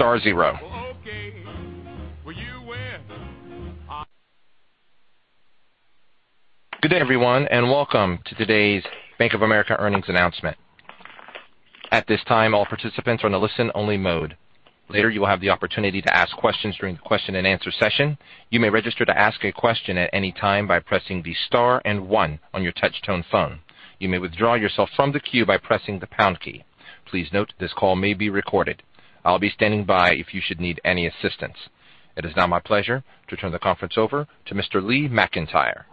Star 0. Good day, everyone, and welcome to today's Bank of America earnings announcement. At this time, all participants are on a listen-only mode. Later, you will have the opportunity to ask questions during the question-and-answer session. You may register to ask a question at any time by pressing the star and 1 on your touch-tone phone. You may withdraw yourself from the queue by pressing the pound key. Please note, this call may be recorded. I'll be standing by if you should need any assistance. It is now my pleasure to turn the conference over to Mr. Lee McEntire.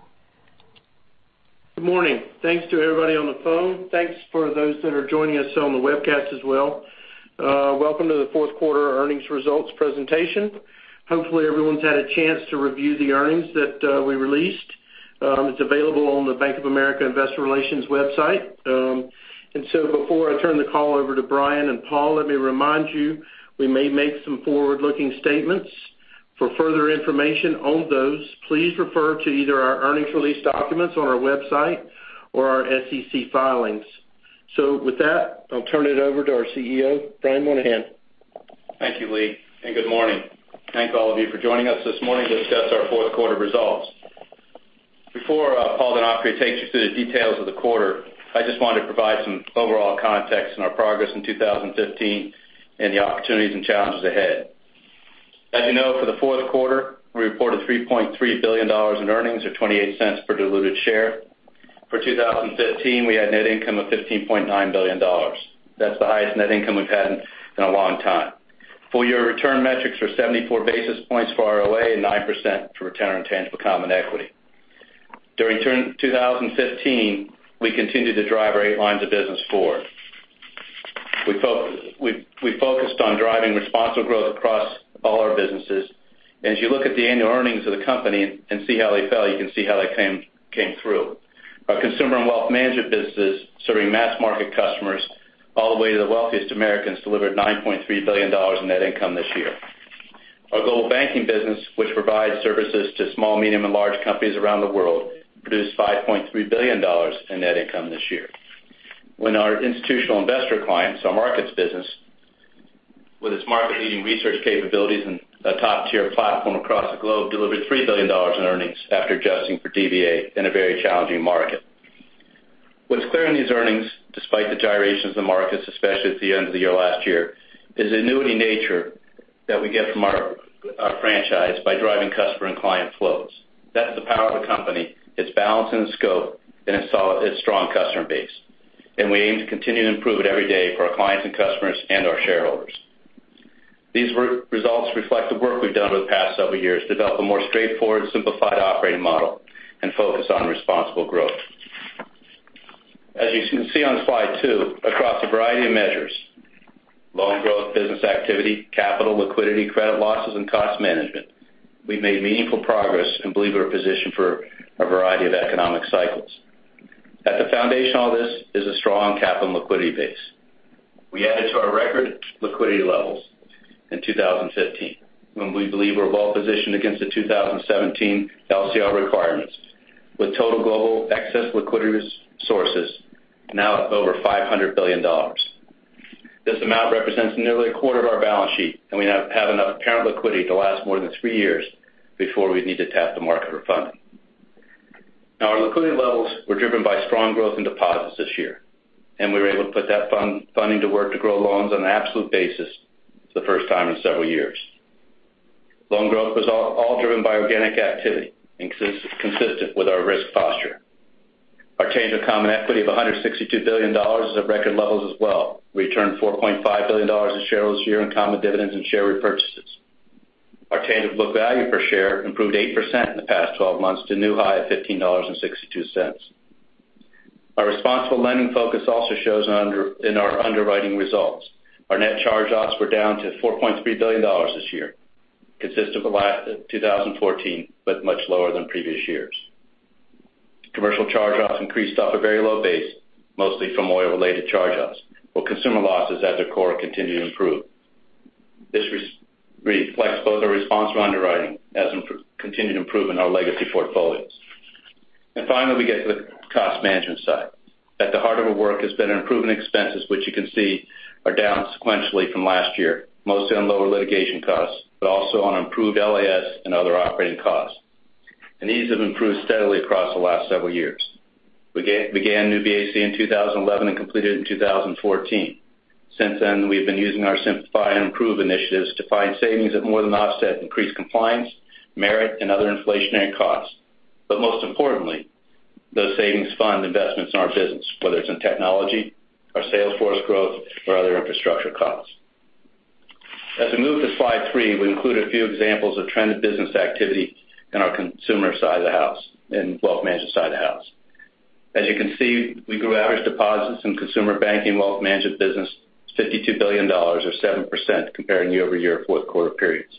Good morning. Thanks to everybody on the phone. Thanks for those that are joining us on the webcast as well. Welcome to the fourth quarter earnings results presentation. Hopefully, everyone's had a chance to review the earnings that we released. It's available on the Bank of America investor relations website. Before I turn the call over to Brian and Paul, let me remind you, we may make some forward-looking statements. For further information on those, please refer to either our earnings release documents on our website or our SEC filings. With that, I'll turn it over to our CEO, Brian Moynihan. Thank you, Lee, and good morning. Thank all of you for joining us this morning to discuss our fourth quarter results. Before Paul Donofrio takes you through the details of the quarter, I just wanted to provide some overall context on our progress in 2015 and the opportunities and challenges ahead. As you know, for the fourth quarter, we reported $3.3 billion in earnings or $0.28 per diluted share. For 2015, we had net income of $15.9 billion. That's the highest net income we've had in a long time. Full-year return metrics are 74 basis points for ROA and 9% for return on tangible common equity. During 2015, we continued to drive our eight lines of business forward. We focused on driving responsible growth across all our businesses. As you look at the annual earnings of the company and see how they fell, you can see how they came through. Our Consumer and Wealth Management business, serving mass-market customers all the way to the wealthiest Americans, delivered $9.3 billion in net income this year. Our Global Banking business, which provides services to small, medium, and large companies around the world, produced $5.3 billion in net income this year. When our institutional investor clients, our Markets business, with its market-leading research capabilities and a top-tier platform across the globe, delivered $3 billion in earnings after adjusting for DVA in a very challenging market. What's clear in these earnings, despite the gyrations of the markets, especially at the end of the year last year, is the annuity nature that we get from our franchise by driving customer and client flows. That's the power of the company, its balance and its scope, and its strong customer base. We aim to continue to improve it every day for our clients and customers and our shareholders. These results reflect the work we've done over the past several years to develop a more straightforward, simplified operating model and focus on responsible growth. As you can see on slide two, across a variety of measures, loan growth, business activity, capital liquidity, credit losses, and cost management, we've made meaningful progress and believe we're positioned for a variety of economic cycles. At the foundation of all this is a strong capital liquidity base. We added to our record liquidity levels in 2015, when we believe we're well-positioned against the 2017 LCR requirements, with total global excess liquidity sources now at over $500 billion. This amount represents nearly a quarter of our balance sheet, and we now have enough apparent liquidity to last more than three years before we'd need to tap the market for funding. Our liquidity levels were driven by strong growth in deposits this year, and we were able to put that funding to work to grow loans on an absolute basis for the first time in several years. Loan growth was all driven by organic activity and consistent with our risk posture. Our change of common equity of $162 billion is at record levels as well. We returned $4.5 billion to shareholders this year in common dividends and share repurchases. Our tangible book value per share improved 8% in the past 12 months to a new high of $15.62. Our responsible lending focus also shows in our underwriting results. Our net charge-offs were down to $4.3 billion this year, consistent with last of 2014, but much lower than previous years. Commercial charge-offs increased off a very low base, mostly from oil-related charge-offs, while consumer losses at their core continue to improve. This reflects both our responsible underwriting as continued improvement in our legacy portfolios. Finally, we get to the cost management side. At the heart of our work has been improving expenses, which you can see are down sequentially from last year, mostly on lower litigation costs, but also on improved LAS and other operating costs. These have improved steadily across the last several years. We began Project New BAC in 2011 and completed it in 2014. Since then, we've been using our Simplify and Improve initiatives to find savings that more than offset increased compliance, merit, and other inflationary costs. Most importantly, those savings fund investments in our business, whether it's in technology, our sales force growth, or other infrastructure costs. As we move to slide three, we include a few examples of trended business activity in our Consumer Banking Wealth Management business, $52 billion or 7% comparing year-over-year fourth quarter periods.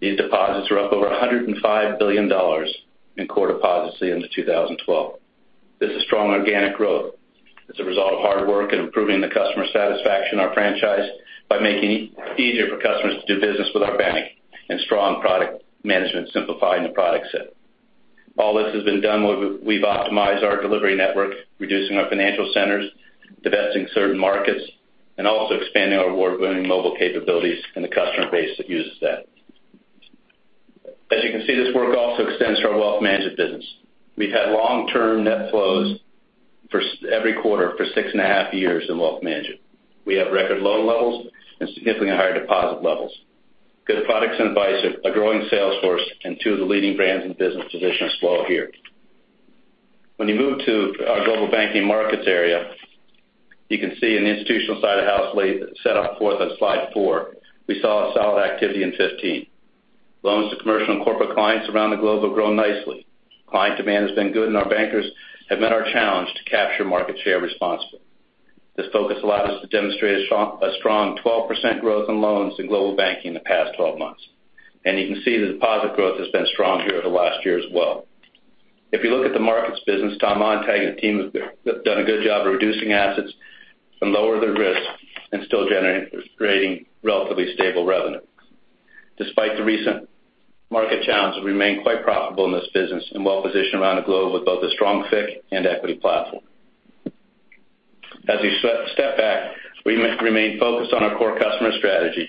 These deposits are up over $105 billion in core deposits since the end of 2012. This is strong organic growth as a result of hard work and improving the customer satisfaction in our franchise by making it easier for customers to do business with our bank and strong product management simplifying the product set. All this has been done while we've optimized our delivery network, reducing our financial centers, divesting certain markets, and also expanding our award-winning mobile capabilities and the customer base that uses that. As you can see, this work also extends to our wealth management business. We've had long-term net flows every quarter for six and a half years in wealth management. We have record low levels and significantly higher deposit levels. Good products and advice, a growing sales force, and two of the leading brands in business positions flow here. When you move to our Global Banking Markets area, you can see in the institutional side of the house laid set up for us on slide four, we saw a solid activity in 2015. Loans to commercial and corporate clients around the globe have grown nicely. Client demand has been good. Our bankers have met our challenge to capture market share responsibly. This focus allows us to demonstrate a strong 12% growth in loans in Global Banking in the past 12 months. You can see the deposit growth has been strong here over the last year as well. If you look at the Global Markets business, Tom Montag and team have done a good job of reducing assets and lowering the risk and still generating relatively stable revenue. Despite the recent market challenge, we remain quite profitable in this business and well-positioned around the globe with both a strong FICC and equity platform. As we step back, we remain focused on our core customer strategy.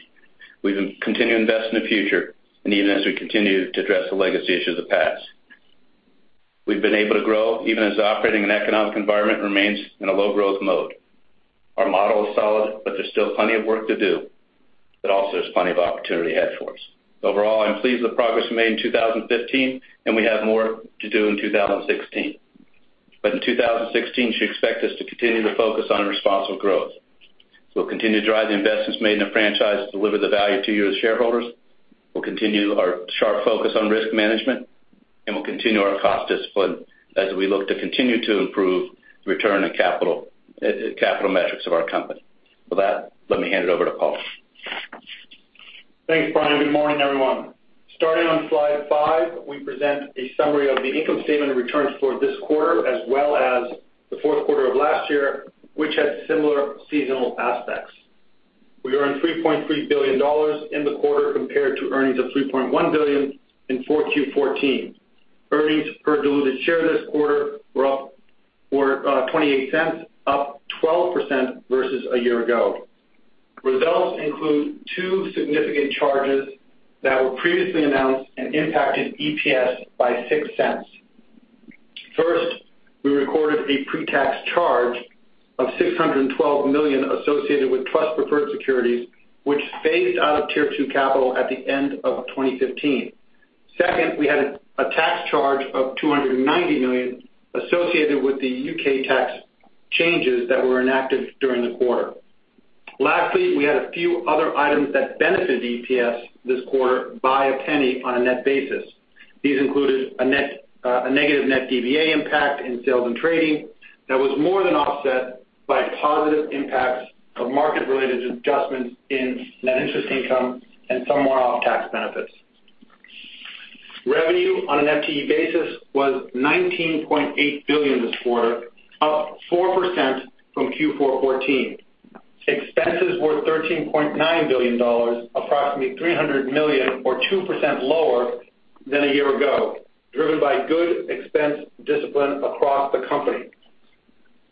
We continue to invest in the future, even as we continue to address the legacy issues of the past. We've been able to grow even as operating an economic environment remains in a low-growth mode. Our model is solid, there's still plenty of work to do, there's plenty of opportunity ahead for us. Overall, I'm pleased with the progress we made in 2015. We have more to do in 2016. In 2016, you should expect us to continue to focus on responsible growth. We'll continue to drive the investments made in the franchise to deliver the value to you as shareholders. We'll continue our sharp focus on risk management. We'll continue our cost discipline as we look to continue to improve the return on capital metrics of our company. With that, let me hand it over to Paul. Thanks, Brian. Good morning, everyone. Starting on slide five, we present a summary of the income statement and returns for this quarter, as well as the fourth quarter of last year, which had similar seasonal aspects. We earned $3.3 billion in the quarter compared to earnings of $3.1 billion in 4Q 2014. Earnings per diluted share this quarter were up for $0.28, up 12% versus a year ago. Results include two significant charges that were previously announced and impacted EPS by $0.06. First, we recorded a pre-tax charge of $612 million associated with trust preferred securities, which phased out of Tier 2 capital at the end of 2015. Second, we had a tax charge of $290 million associated with the U.K. tax changes that were enacted during the quarter. Lastly, we had a few other items that benefited EPS this quarter by $0.01 on a net basis. These included a negative net DVA impact in sales and trading that was more than offset by positive impacts of market-related adjustments in net interest income and some one-off tax benefits. Revenue on an FTE basis was $19.8 billion this quarter, up 4% from Q4 2014. Expenses were $13.9 billion, approximately $300 million or 2% lower than a year ago, driven by good expense discipline across the company.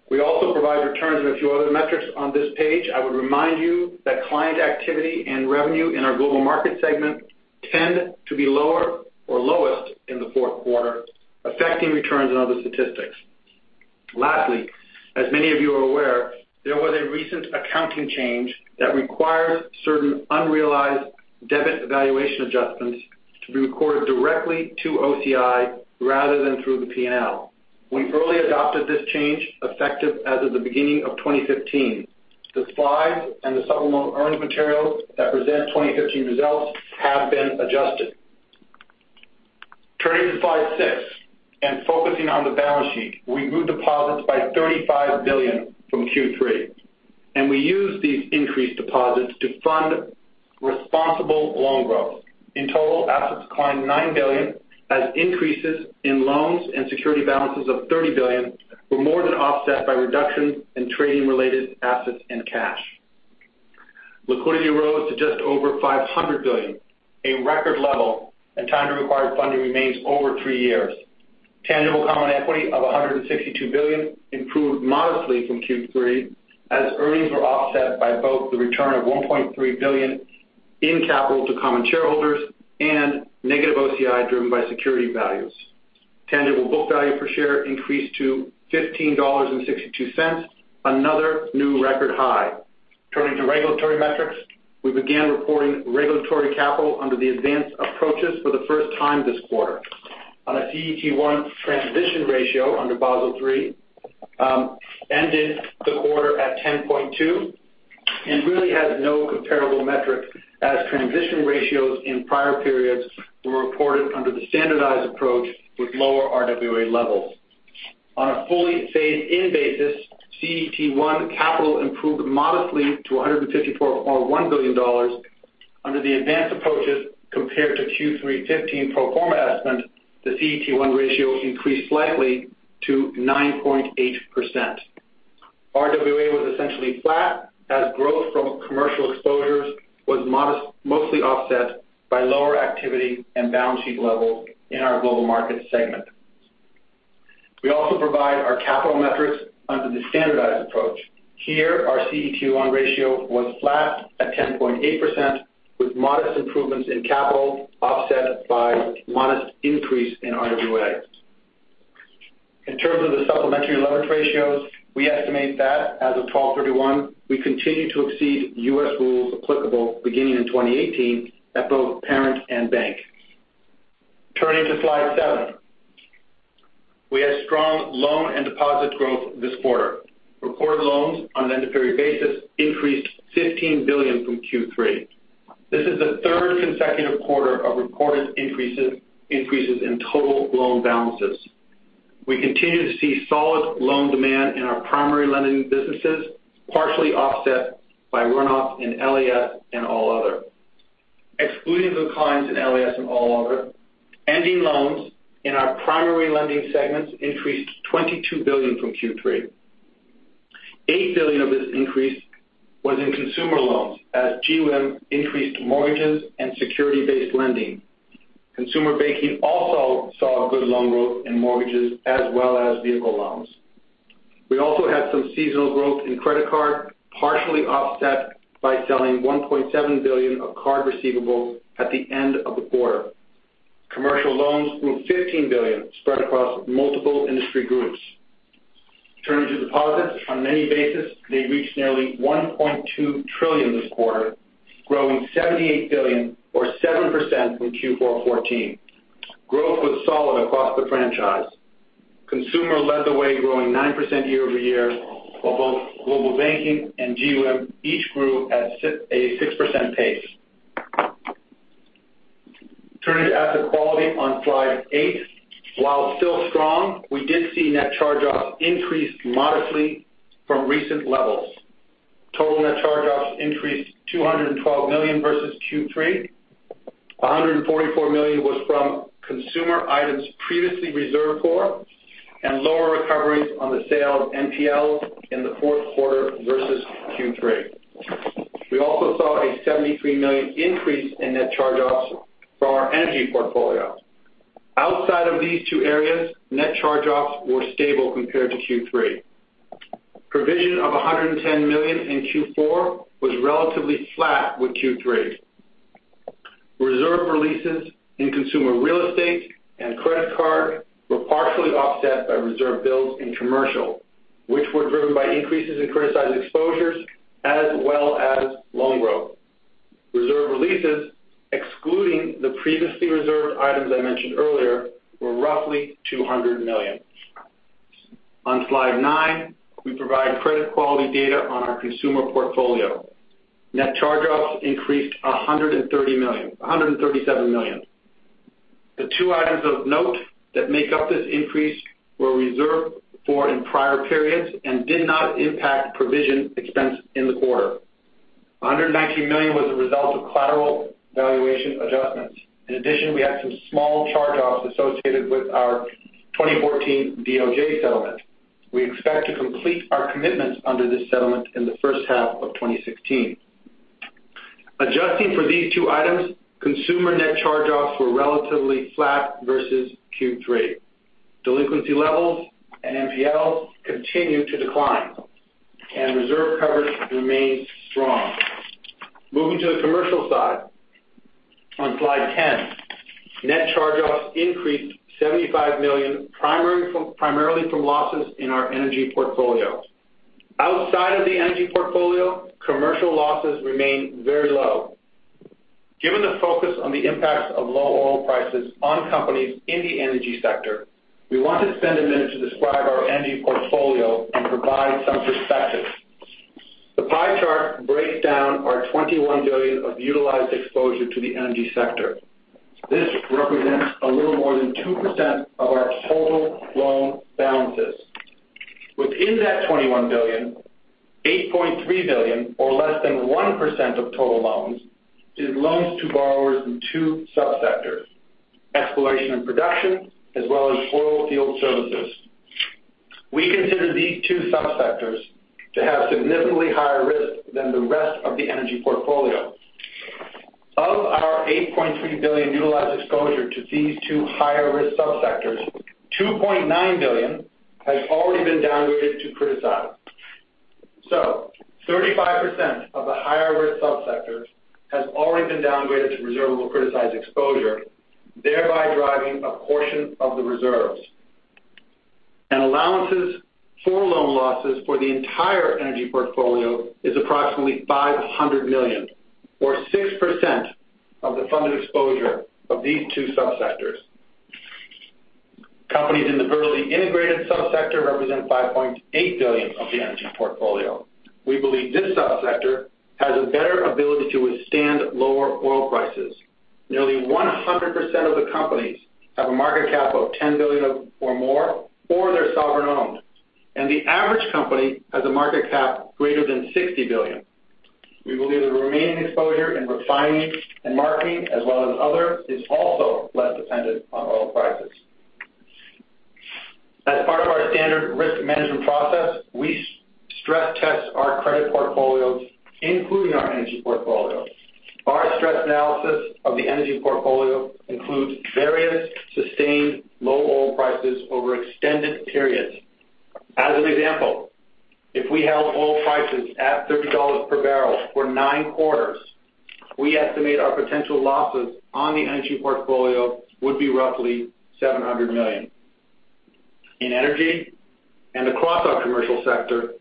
We also provide returns and a few other metrics on this page. I would remind you that client activity and revenue in our Global Markets segment tend to be lower or lowest in the fourth quarter, affecting returns and other statistics. As many of you are aware, there was a recent accounting change that requires certain unrealized debit valuation adjustments to be recorded directly to OCI rather than through the P&L. We've early adopted this change effective as of the beginning of 2015. The slides and the supplement earnings materials that present 2015 results have been adjusted. Turning to slide six and focusing on the balance sheet, we grew deposits by $35 billion from Q3, and we used these increased deposits to fund responsible loan growth. In total, assets climbed $9 billion as increases in loans and security balances of $30 billion were more than offset by reductions in trading-related assets and cash. Liquidity rose to just over $500 billion, a record level, and time to required funding remains over three years. Tangible common equity of $162 billion improved modestly from Q3 as earnings were offset by both the return of $1.3 billion in capital to common shareholders and negative OCI driven by security values. Tangible book value per share increased to $15.62, another new record high. Turning to regulatory metrics, we began reporting regulatory capital under the advanced approaches for the first time this quarter. On a CET1 transition ratio under Basel III, ended the quarter at 10.2 and really has no comparable metric as transition ratios in prior periods were reported under the standardized approach with lower RWA levels. On a fully phased-in basis, CET1 capital improved modestly to $154.1 billion under the advanced approaches compared to Q3 2015 pro forma estimate. The CET1 ratio increased slightly to 9.8%. RWA was essentially flat as growth from commercial exposures was mostly offset by lower activity and balance sheet levels in our Global Markets segment. We also provide our capital metrics under the standardized approach. Here, our CET1 ratio was flat at 10.8%, with modest improvements in capital offset by modest increase in RWA. In terms of the supplementary leverage ratios, we estimate that as of 12/31, we continue to exceed U.S. rules applicable beginning in 2018 at both parent and bank. Turning to slide seven. We had strong loan and deposit growth this quarter. Reported loans on an end-of-period basis increased $15 billion from Q3. This is the third consecutive quarter of reported increases in total loan balances. We continue to see solid loan demand in our primary lending businesses, partially offset by runoff in LAS and All Other. Excluding declines in LAS and All Other, ending loans in our primary lending segments increased $22 billion from Q3. $8 billion of this increase was in consumer loans as GWIM increased mortgages and security-based lending. Consumer Banking also saw good loan growth in mortgages as well as vehicle loans. We also had some seasonal growth in credit card, partially offset by selling $1.7 billion of card receivables at the end of the quarter. Commercial loans grew $15 billion, spread across multiple industry groups. Turning to deposits. On managed basis, they reached nearly $1.2 trillion this quarter, growing $78 billion or 7% from Q4 2014. Growth was solid across the franchise. Consumer led the way, growing 9% year-over-year, while both Global Banking and GWIM each grew at a 6% pace. Turning to asset quality on slide eight. While still strong, we did see net charge-offs increase modestly from recent levels. Total net charge-offs increased $212 million versus Q3. $144 million was from consumer items previously reserved for and lower recoveries on the sale of NPLs in the fourth quarter versus Q3. We also saw a $73 million increase in net charge-offs from our energy portfolio. Outside of these two areas, net charge-offs were stable compared to Q3. Provision of $110 million in Q4 was relatively flat with Q3. Reserve releases in consumer real estate and credit card were partially offset by reserve builds in commercial, which were driven by increases in criticized exposures as well as loan growth. Reserve releases, excluding the previously reserved items I mentioned earlier, were roughly $200 million. On slide nine, we provide credit quality data on our consumer portfolio. Net charge-offs increased $137 million. The two items of note that make up this increase were reserved for in prior periods and did not impact provision expense in the quarter. $119 million was a result of collateral valuation adjustments. In addition, we had some small charge-offs associated with our 2014 DOJ settlement. We expect to complete our commitments under this settlement in the first half of 2016. Adjusting for these two items, consumer net charge-offs were relatively flat versus Q3. Delinquency levels and NPLs continue to decline, and reserve coverage remains strong. Moving to the commercial side on slide 10. Net charge-offs increased $75 million, primarily from losses in our energy portfolio. Outside of the energy portfolio, commercial losses remain very low. Given the focus on the impacts of low oil prices on companies in the energy sector, we want to spend a minute to describe our energy portfolio and provide some perspective. The pie chart breaks down our $21 billion of utilized exposure to the energy sector. This represents a little more than 2% of our total loan balances. Within that $21 billion, $8.3 billion, or less than 1% of total loans, is loans to borrowers in two sub-sectors: exploration and production, as well as oil field services. We consider these two sub-sectors to have significantly higher risk than the rest of the energy portfolio. Of our $8.3 billion utilized exposure to these two higher-risk sub-sectors, $2.9 billion has already been downgraded to criticized. 35% of the higher-risk sub-sectors has already been downgraded to reservable criticized exposure, thereby driving a portion of the reserves. And allowances for loan losses for the entire energy portfolio is approximately $500 million, or 6% of the funded exposure of these two sub-sectors. Companies in the vertically integrated sub-sector represent $5.8 billion of the energy portfolio. We believe this sub-sector has a better ability to withstand lower oil prices. Nearly 100% of the companies have a market cap of $10 billion or more, or they're sovereign-owned, and the average company has a market cap greater than $60 billion. We believe the remaining exposure in refining and marketing as well as other is also less dependent on oil prices. As part of our standard risk management process, we stress test our credit portfolios, including our energy portfolio. Our stress analysis of the energy portfolio includes various sustained low oil prices over extended periods. As an example, if we held oil prices at $30 per barrel for 9 quarters, we estimate our potential losses on the energy portfolio would be roughly $700 million. In energy and across our commercial sector,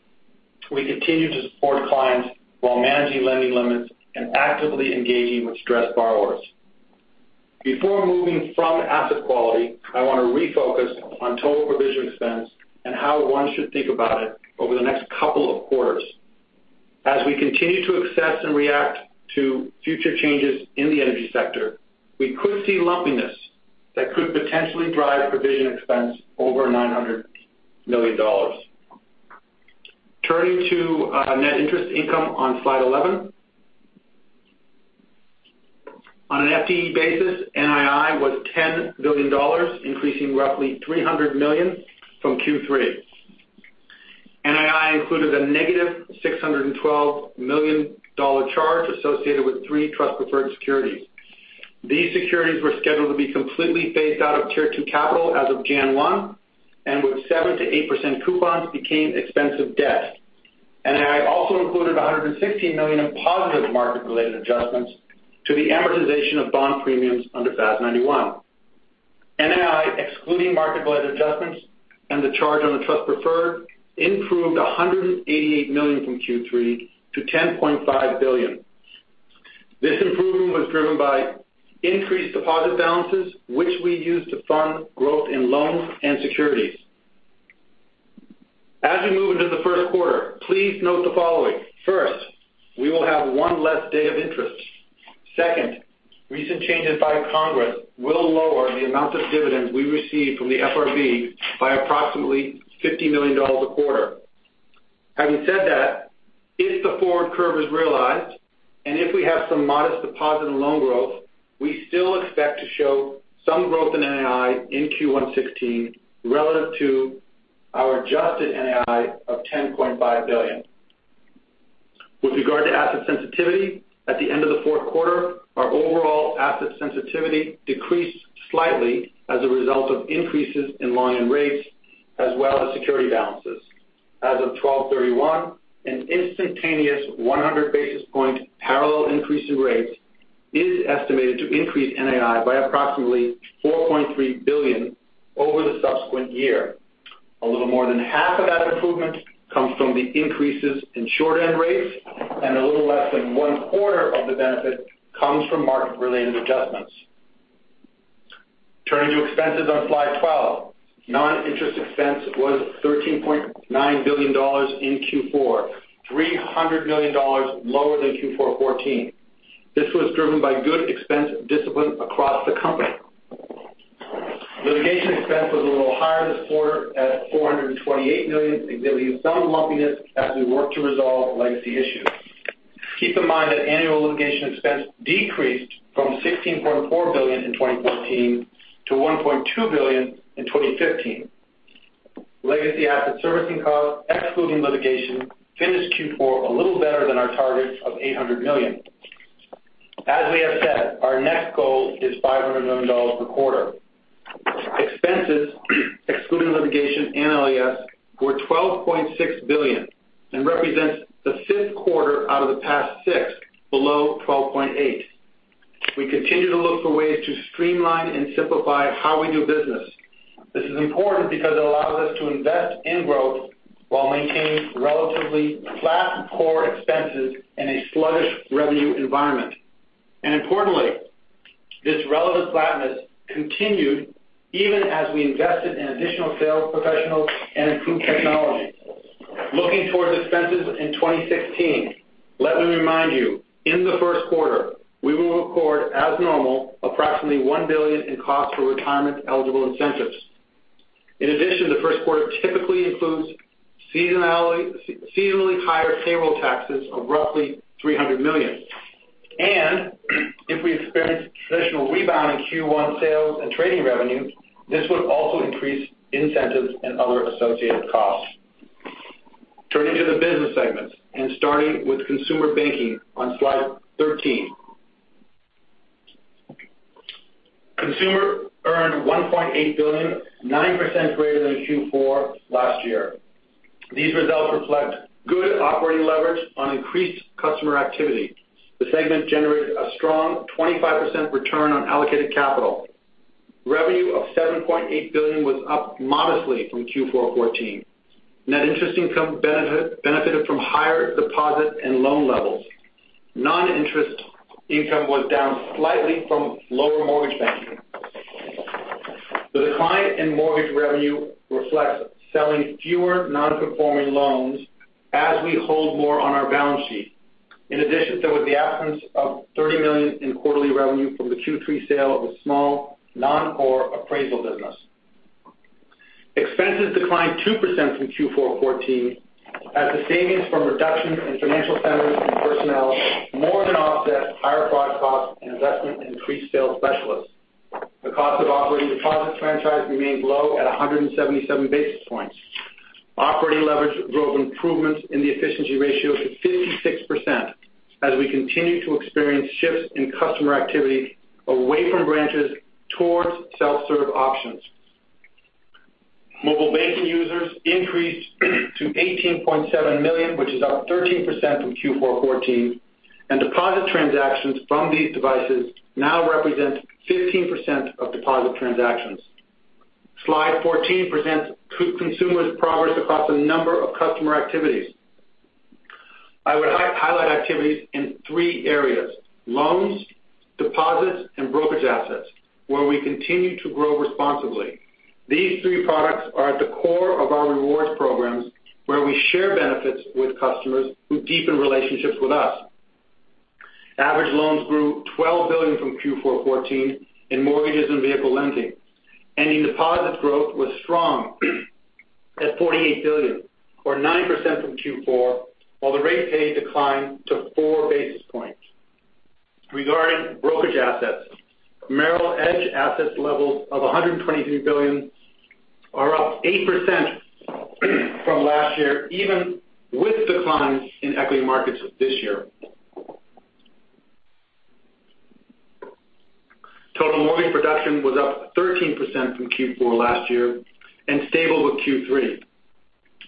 we continue to support clients while managing lending limits and actively engaging with stressed borrowers. Before moving from asset quality, I want to refocus on total provision expense and how one should think about it over the next couple of quarters. As we continue to assess and react to future changes in the energy sector, we could see lumpiness that could potentially drive provision expense over $900 million. Turning to net interest income on slide 11. On an FTE basis, NII was $10 billion, increasing roughly $300 million from Q3. NII included a negative $612 million charge associated with three trust preferred securities. These securities were scheduled to be completely phased out of Tier 2 capital as of January 1, and with 7%-8% coupons became expensive debt. NII also included $116 million in positive market-related adjustments to the amortization of bond premiums under FAS 91. NII, excluding market-related adjustments and the charge on the trust preferred, improved $188 million from Q3 to $10.5 billion. This improvement was driven by increased deposit balances, which we used to fund growth in loans and securities. As we move into the first quarter, please note the following. First, we will have one less day of interest. Second, recent changes by Congress will lower the amount of dividends we receive from the FRB by approximately $50 million a quarter. Having said that, if the forward curve is realized, and if we have some modest deposit and loan growth, we still expect to show some growth in NII in Q1 2016 relative to our adjusted NII of $10.5 billion. With regard to asset sensitivity, at the end of the fourth quarter, our overall asset sensitivity decreased slightly as a result of increases in loan and rates, as well as security balances. As of 12/31, an instantaneous 100-basis-point parallel increase in rates is estimated to increase NII by approximately $4.3 billion over the subsequent year. A little more than half of that improvement comes from the increases in short-end rates. A little less than one-quarter of the benefit comes from market-related adjustments. Turning to expenses on slide 12. Non-interest expense was $13.9 billion in Q4, $300 million lower than Q4 2014. This was driven by good expense discipline across the company. Litigation expense was a little higher this quarter at $428 million, exhibiting some lumpiness as we work to resolve legacy issues. Keep in mind that annual litigation expense decreased from $16.4 billion in 2014 to $1.2 billion in 2015. Legacy Asset Servicing costs, excluding litigation, finished Q4 a little better than our targets of $800 million. As we have said, our next goal is $500 million per quarter. Expenses, excluding litigation and LAS were $12.6 billion and represents the fifth quarter out of the past six below $12.8 billion. We continue to look for ways to streamline and simplify how we do business. This is important because it allows us to invest in growth while maintaining relatively flat core expenses in a sluggish revenue environment. Importantly, this relevant flatness continued even as we invested in additional sales professionals and improved technology. Looking towards expenses in 2016, let me remind you, in the first quarter, we will record, as normal, approximately $1 billion in costs for retirement-eligible incentives. In addition, the first quarter typically includes seasonally higher payroll taxes of roughly $300 million. If we experience a traditional rebound in Q1 sales and trading revenue, this would also increase incentives and other associated costs. Turning to the business segments and starting with Consumer Banking on slide 13. Consumer earned $1.8 billion, 9% greater than Q4 last year. These results reflect good operating leverage on increased customer activity. The segment generated a strong 25% return on allocated capital. Revenue of $7.8 billion was up modestly from Q4 2014. Net interest income benefited from higher deposit and loan levels. Non-interest income was down slightly from lower mortgage banking. The decline in mortgage revenue reflects selling fewer non-conforming loans as we hold more on our balance sheet. In addition, there was the absence of $30 million in quarterly revenue from the Q3 sale of a small non-core appraisal business. Expenses declined 2% from Q4 2014 as the savings from reductions in financial centers and personnel more than offset higher fraud costs and investment in increased sales specialists. The cost of operating deposit franchise remained low at 177 basis points. Operating leverage drove improvements in the efficiency ratio to 56% as we continue to experience shifts in customer activity away from branches towards self-serve options. Mobile banking users increased to 18.7 million, which is up 13% from Q4 2014, and deposit transactions from these devices now represent 15% of deposit transactions. Slide 14 presents consumers' progress across a number of customer activities. I would highlight activities in three areas: loans, deposits, and brokerage assets, where we continue to grow responsibly. These three products are at the core of our rewards programs, where we share benefits with customers who deepen relationships with us. Average loans grew $12 billion from Q4 2014 in mortgages and vehicle lending. Ending deposits growth was strong at $48 billion, or 9% from Q4, while the rate pay declined to four basis points. Regarding brokerage assets, Merrill Edge assets levels of $123 billion are up 8% from last year, even with declines in equity markets this year. Total mortgage production was up 13% from Q4 last year and stable with Q3.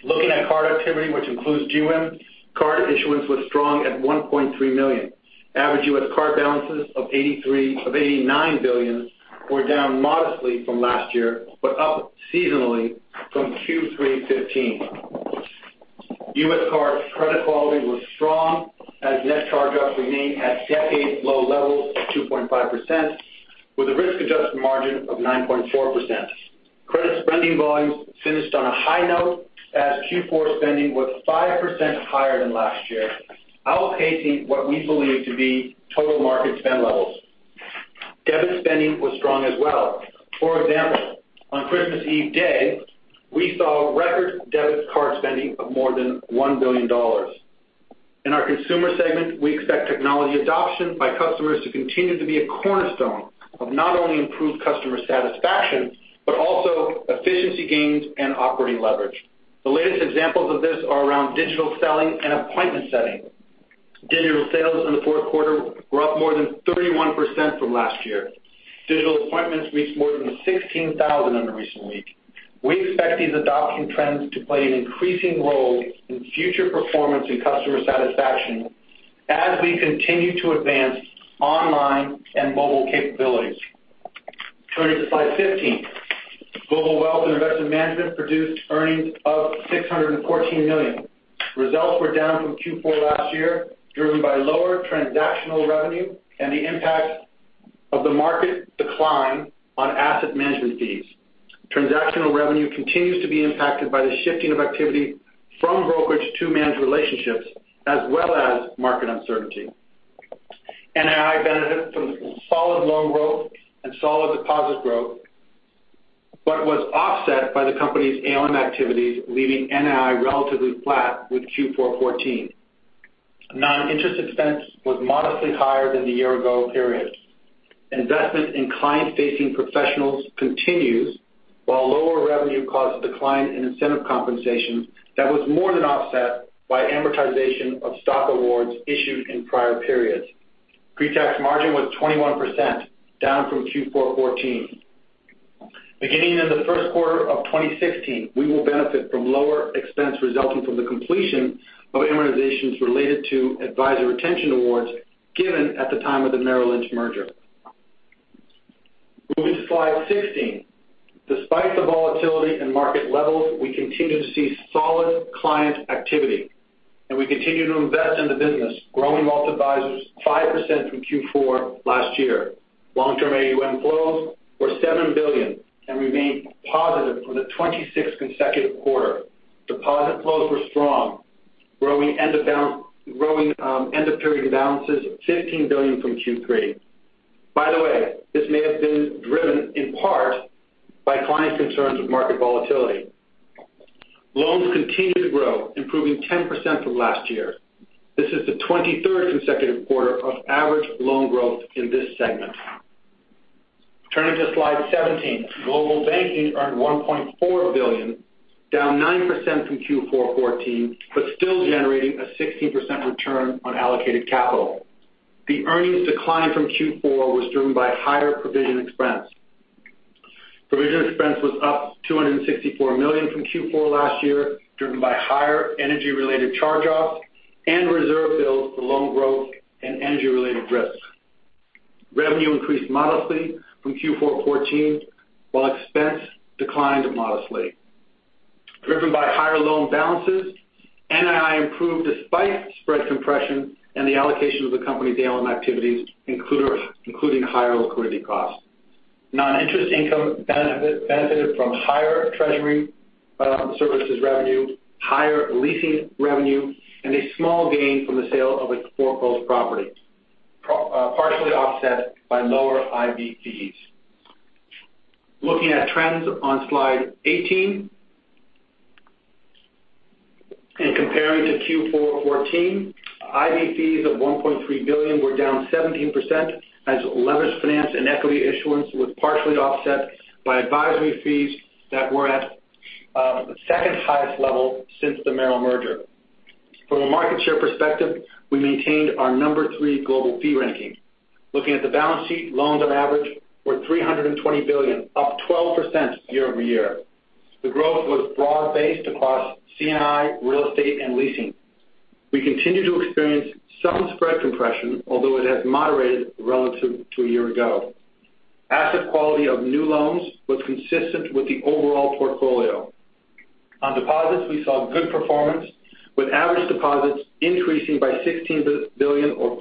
Looking at card activity, which includes GM, card issuance was strong at 1.3 million. Average U.S. card balances of $89 billion were down modestly from last year but up seasonally from Q3 2015. U.S. card credit quality was strong as net charge-offs remained at decade low levels of 2.5% with a risk-adjusted margin of 9.4%. Credit spending volumes finished on a high note, as Q4 spending was 5% higher than last year, outpacing what we believe to be total market spend levels. Debit spending was strong as well. For example, on Christmas Eve day, we saw record debit card spending of more than $1 billion. In our Consumer segment, we expect technology adoption by customers to continue to be a cornerstone of not only improved customer satisfaction, but also efficiency gains and operating leverage. The latest examples of this are around digital selling and appointment setting. Digital sales in the fourth quarter were up more than 31% from last year. Digital appointments reached more than 16,000 in a recent week. We expect these adoption trends to play an increasing role in future performance and customer satisfaction as we continue to advance online and mobile capabilities. Turning to slide 15. Global Wealth and Investment Management produced earnings of $614 million. Results were down from Q4 last year, driven by lower transactional revenue and the impact of the market decline on asset management fees. Transactional revenue continues to be impacted by the shifting of activity from brokerage to managed relationships, as well as market uncertainty. NII benefited from solid loan growth and solid deposit growth, was offset by the company's ALM activities, leaving NII relatively flat with Q4 2014. Non-interest expense was modestly higher than the year ago period. Investment in client-facing professionals continues, while lower revenue caused a decline in incentive compensation that was more than offset by amortization of stock awards issued in prior periods. Pre-tax margin was 21%, down from Q4 2014. Beginning in the first quarter of 2016, we will benefit from lower expense resulting from the completion of amortizations related to advisor retention awards given at the time of the Merrill Lynch merger. Moving to slide 16. Despite the volatility in market levels, we continue to see solid client activity and we continue to invest in the business, growing wealth advisors 5% from Q4 last year. Long-term AUM flows were $7 billion and remained positive for the 26th consecutive quarter. Deposit flows were strong, growing end-of-period balances $15 billion from Q3. By the way, this may have been driven in part by client concerns with market volatility. Loans continued to grow, improving 10% from last year. This is the 23rd consecutive quarter of average loan growth in this segment. Turning to slide 17. Global Banking earned $1.4 billion, down 9% from Q4 2014, still generating a 16% return on allocated capital. The earnings decline from Q4 was driven by higher provision expense. Provision expense was up $264 million from Q4 last year, driven by higher energy-related charge-offs and reserve builds for loan growth and energy-related risks. Revenue increased modestly from Q4 2014, while expense declined modestly. Driven by higher loan balances, NII improved despite spread compression and the allocation of the company's ALM activities, including higher liquidity costs. Non-interest income benefited from higher treasury services revenue, higher leasing revenue, and a small gain from the sale of a foreclosed property. Partially offset by lower IB fees. Looking at trends on slide 18 and comparing to Q4 2014, IB fees of $1.3 billion were down 17% as leveraged finance and equity issuance was partially offset by advisory fees that were at second highest level since the Merrill merger. From a market share perspective, we maintained our number three global fee ranking. Looking at the balance sheet, loans on average were $320 billion, up 12% year-over-year. The growth was broad-based across C&I, real estate, and leasing. We continue to experience some spread compression, although it has moderated relative to a year ago. Asset quality of new loans was consistent with the overall portfolio. On deposits, we saw good performance with average deposits increasing by $16 billion or 5%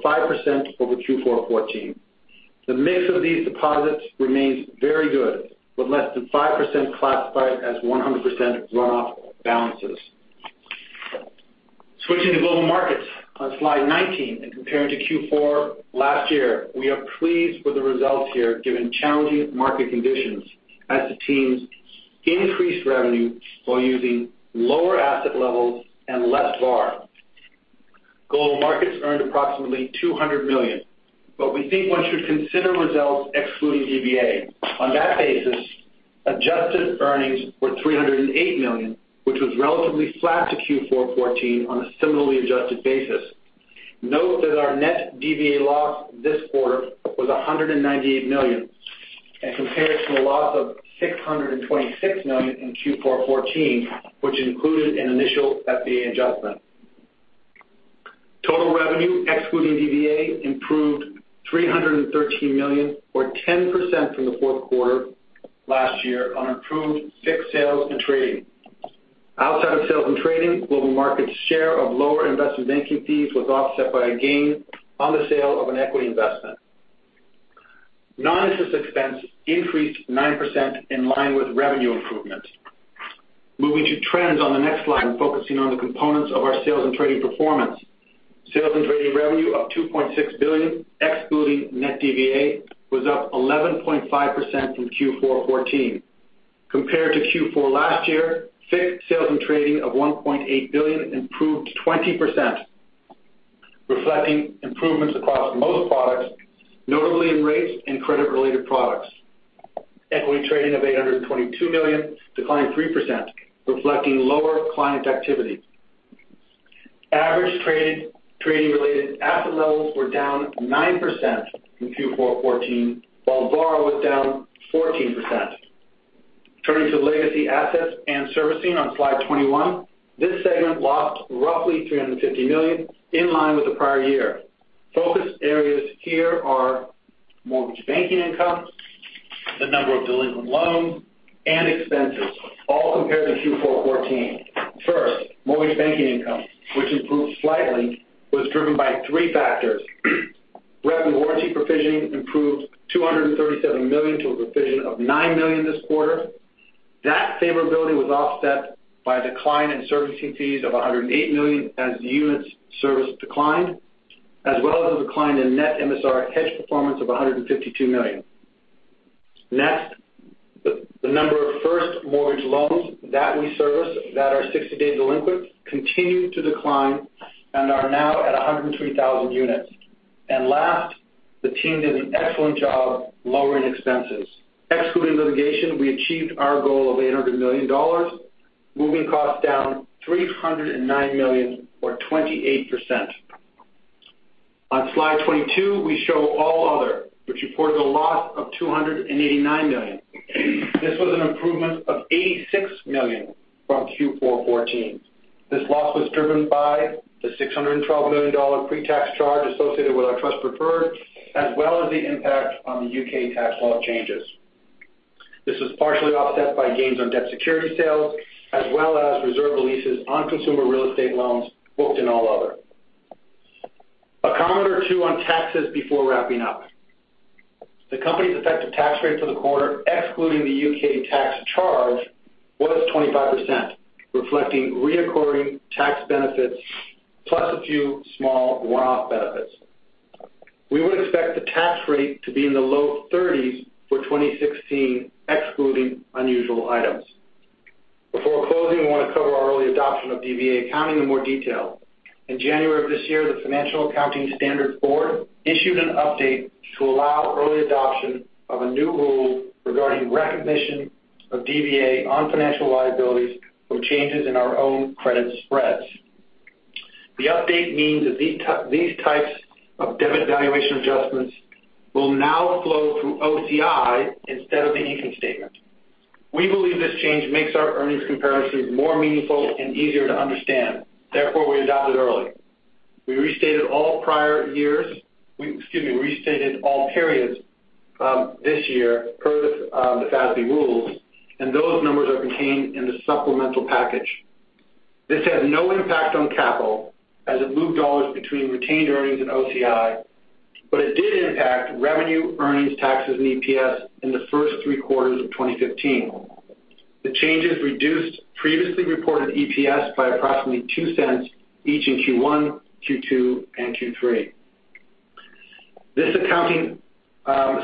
over Q4 2014. The mix of these deposits remains very good, with less than 5% classified as 100% runoff balances. Switching to Global Markets on slide 19 and comparing to Q4 last year, we are pleased with the results here given challenging market conditions as the teams increased revenue while using lower asset levels and less VaR. Global Markets earned approximately $200 million. We think one should consider results excluding DVA. On that basis, adjusted earnings were $308 million, which was relatively flat to Q4 2014 on a similarly adjusted basis. Note that our net DVA loss this quarter was $198 million and compared to the loss of $626 million in Q4 2014, which included an initial FVA adjustment. Total revenue excluding DVA improved $313 million or 10% from the fourth quarter last year on improved FICC sales and trading. Outside of sales and trading, Global Markets share of lower investment banking fees was offset by a gain on the sale of an equity investment. Non-interest expense increased 9% in line with revenue improvements. Moving to trends on the next slide, focusing on the components of our sales and trading performance. Sales and trading revenue up $2.6 billion excluding net DVA was up 11.5% from Q4 2014. Compared to Q4 last year, FICC sales and trading of $1.8 billion improved 20%, reflecting improvements across most products, notably in rates and credit-related products. Equity trading of $822 million declined 3%, reflecting lower client activity. Average trading-related asset levels were down 9% in Q4 2014, while VaR was down 14%. Turning to Legacy Asset Servicing on slide 21. This segment lost roughly $350 million in line with the prior year. Focus areas here are mortgage banking income, the number of delinquent loans, and expenses, all compared to Q4 2014. First, mortgage banking income, which improved slightly, was driven by three factors. Rep and warranty provision improved $237 million to a provision of $9 million this quarter. That favorability was offset by a decline in servicing fees of $108 million as units serviced declined, as well as a decline in net MSR hedge performance of $152 million. Next, the number of first mortgage loans that we service that are 60-day delinquent continued to decline and are now at 103,000 units. Last, the team did an excellent job lowering expenses. Excluding litigation, we achieved our goal of $800 million, moving costs down $309 million or 28%. On slide 22, we show All Other, which reported a loss of $289 million. This was an improvement of $86 million from Q4 2014. This loss was driven by the $612 million pre-tax charge associated with our trust preferred, as well as the impact on the U.K. tax law changes. This was partially offset by gains on debt security sales as well as reserve releases on consumer real estate loans booked in All Other. A comment or two on taxes before wrapping up. The company's effective tax rate for the quarter, excluding the U.K. tax charge, was 25%, reflecting reoccurring tax benefits plus a few small one-off benefits. We would expect the tax rate to be in the low 30s for 2016, excluding unusual items. Before closing, we want to cover our early adoption of DVA accounting in more detail. In January of this year, the Financial Accounting Standards Board issued an update to allow early adoption of a new rule regarding recognition of DVA on financial liabilities from changes in our own credit spreads. The update means that these types of debit valuation adjustments will now flow through OCI instead of the income statement. We believe this change makes our earnings comparisons more meaningful and easier to understand. Therefore, we adopted early. We restated all periods this year per the FASB rules, and those numbers are contained in the supplemental package. This had no impact on capital as it moved dollars between retained earnings and OCI, but it did impact revenue, earnings, taxes, and EPS in the first three quarters of 2015. The changes reduced previously reported EPS by approximately $0.02 each in Q1, Q2, and Q3. This accounting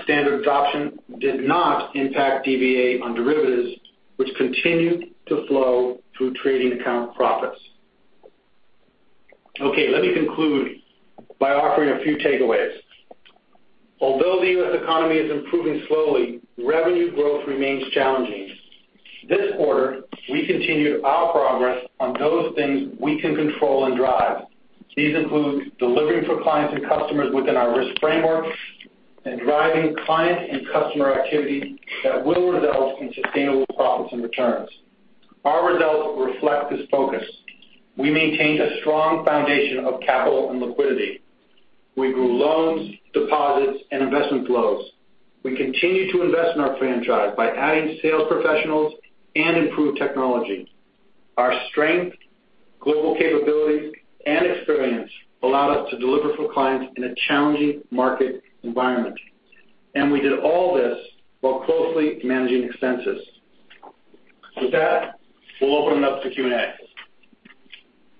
standard adoption did not impact DVA on derivatives, which continued to flow through trading account profits. Okay, let me conclude by offering a few takeaways. Although the U.S. economy is improving slowly, revenue growth remains challenging. This quarter, we continued our progress on those things we can control and drive. These include delivering for clients and customers within our risk framework and driving client and customer activity that will result in sustainable profits and returns. Our results reflect this focus. We maintained a strong foundation of capital and liquidity. We grew loans, deposits, and investment flows. We continued to invest in our franchise by adding sales professionals and improved technology. Our strength, global capabilities, and experience allowed us to deliver for clients in a challenging market environment. We did all this while closely managing expenses. With that, we'll open it up to Q&A.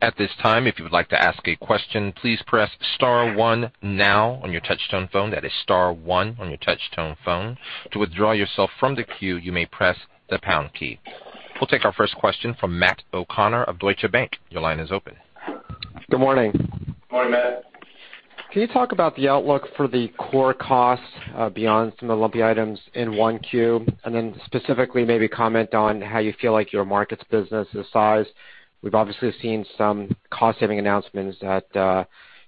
At this time, if you would like to ask a question, please press star one now on your touch-tone phone. That is star one on your touch-tone phone. To withdraw yourself from the queue, you may press the pound key. We'll take our first question from Matt O'Connor of Deutsche Bank. Your line is open. Good morning. Morning, Matt. Can you talk about the outlook for the core costs beyond some of the lumpy items in 1Q? Specifically maybe comment on how you feel like your markets business is sized. We've obviously seen some cost-saving announcements at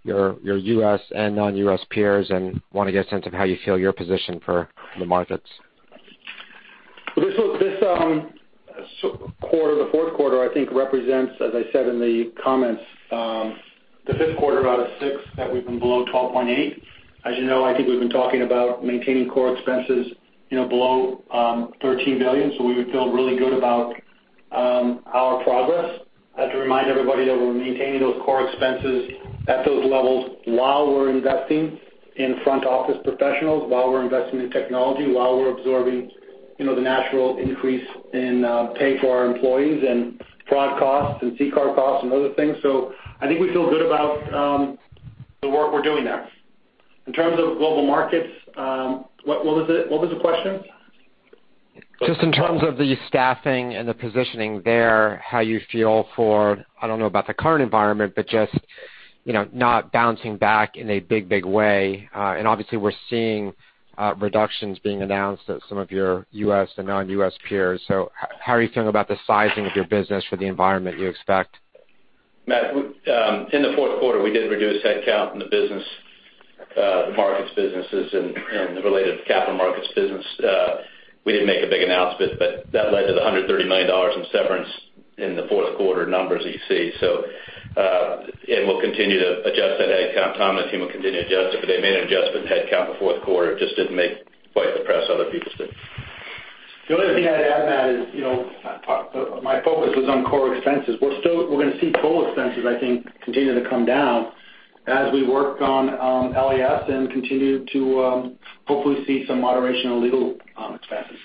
your U.S. and non-U.S. peers, want to get a sense of how you feel you're positioned for the markets. This quarter, the fourth quarter, I think represents, as I said in the comments, the fifth quarter out of six that we've been below $12.8 billion. As you know, I think we've been talking about maintaining core expenses below $13 billion. We feel really good about our progress. I have to remind everybody that we're maintaining those core expenses at those levels while we're investing in front-office professionals, while we're investing in technology, while we're absorbing the natural increase in pay for our employees and fraud costs and CCAR costs and other things. I think we feel good about the work we're doing there. In terms of Global Markets, what was the question? Just in terms of the staffing and the positioning there, how you feel for, I don't know about the current environment, but just not bouncing back in a big way. Obviously we're seeing reductions being announced at some of your U.S. and non-U.S. peers. How are you feeling about the sizing of your business for the environment you expect? Matt, in the fourth quarter, we did reduce headcount in the markets businesses and the related capital markets business. We didn't make a big announcement, but that led to the $130 million in severance in the fourth quarter numbers that you see. We'll continue to adjust that headcount. Tom and his team will continue to adjust it, but they made an adjustment to headcount in the fourth quarter. It just didn't make quite the press other people's did. The only thing I'd add, Matt, is my focus was on core expenses. We're going to see full expenses, I think, continue to come down as we work on LAS and continue to hopefully see some moderation on legal expenses.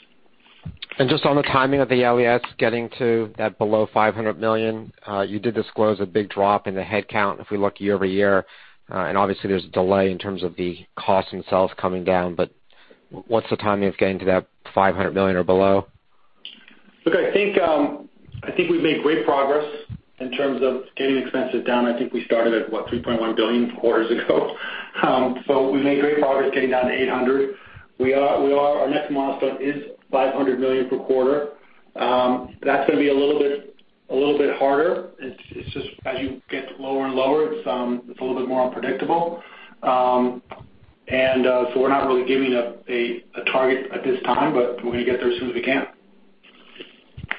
Just on the timing of the LAS getting to that below $500 million, you did disclose a big drop in the headcount if we look year-over-year. Obviously there's a delay in terms of the cost themselves coming down. What's the timing of getting to that $500 million or below? Look, I think we've made great progress in terms of getting expenses down. I think we started at, what, $3.1 billion quarters ago? We made great progress getting down to $800 million. Our next milestone is $500 million per quarter. That's going to be a little bit harder. It's just as you get lower and lower, it's a little bit more unpredictable. We're not really giving a target at this time, we're going to get there as soon as we can.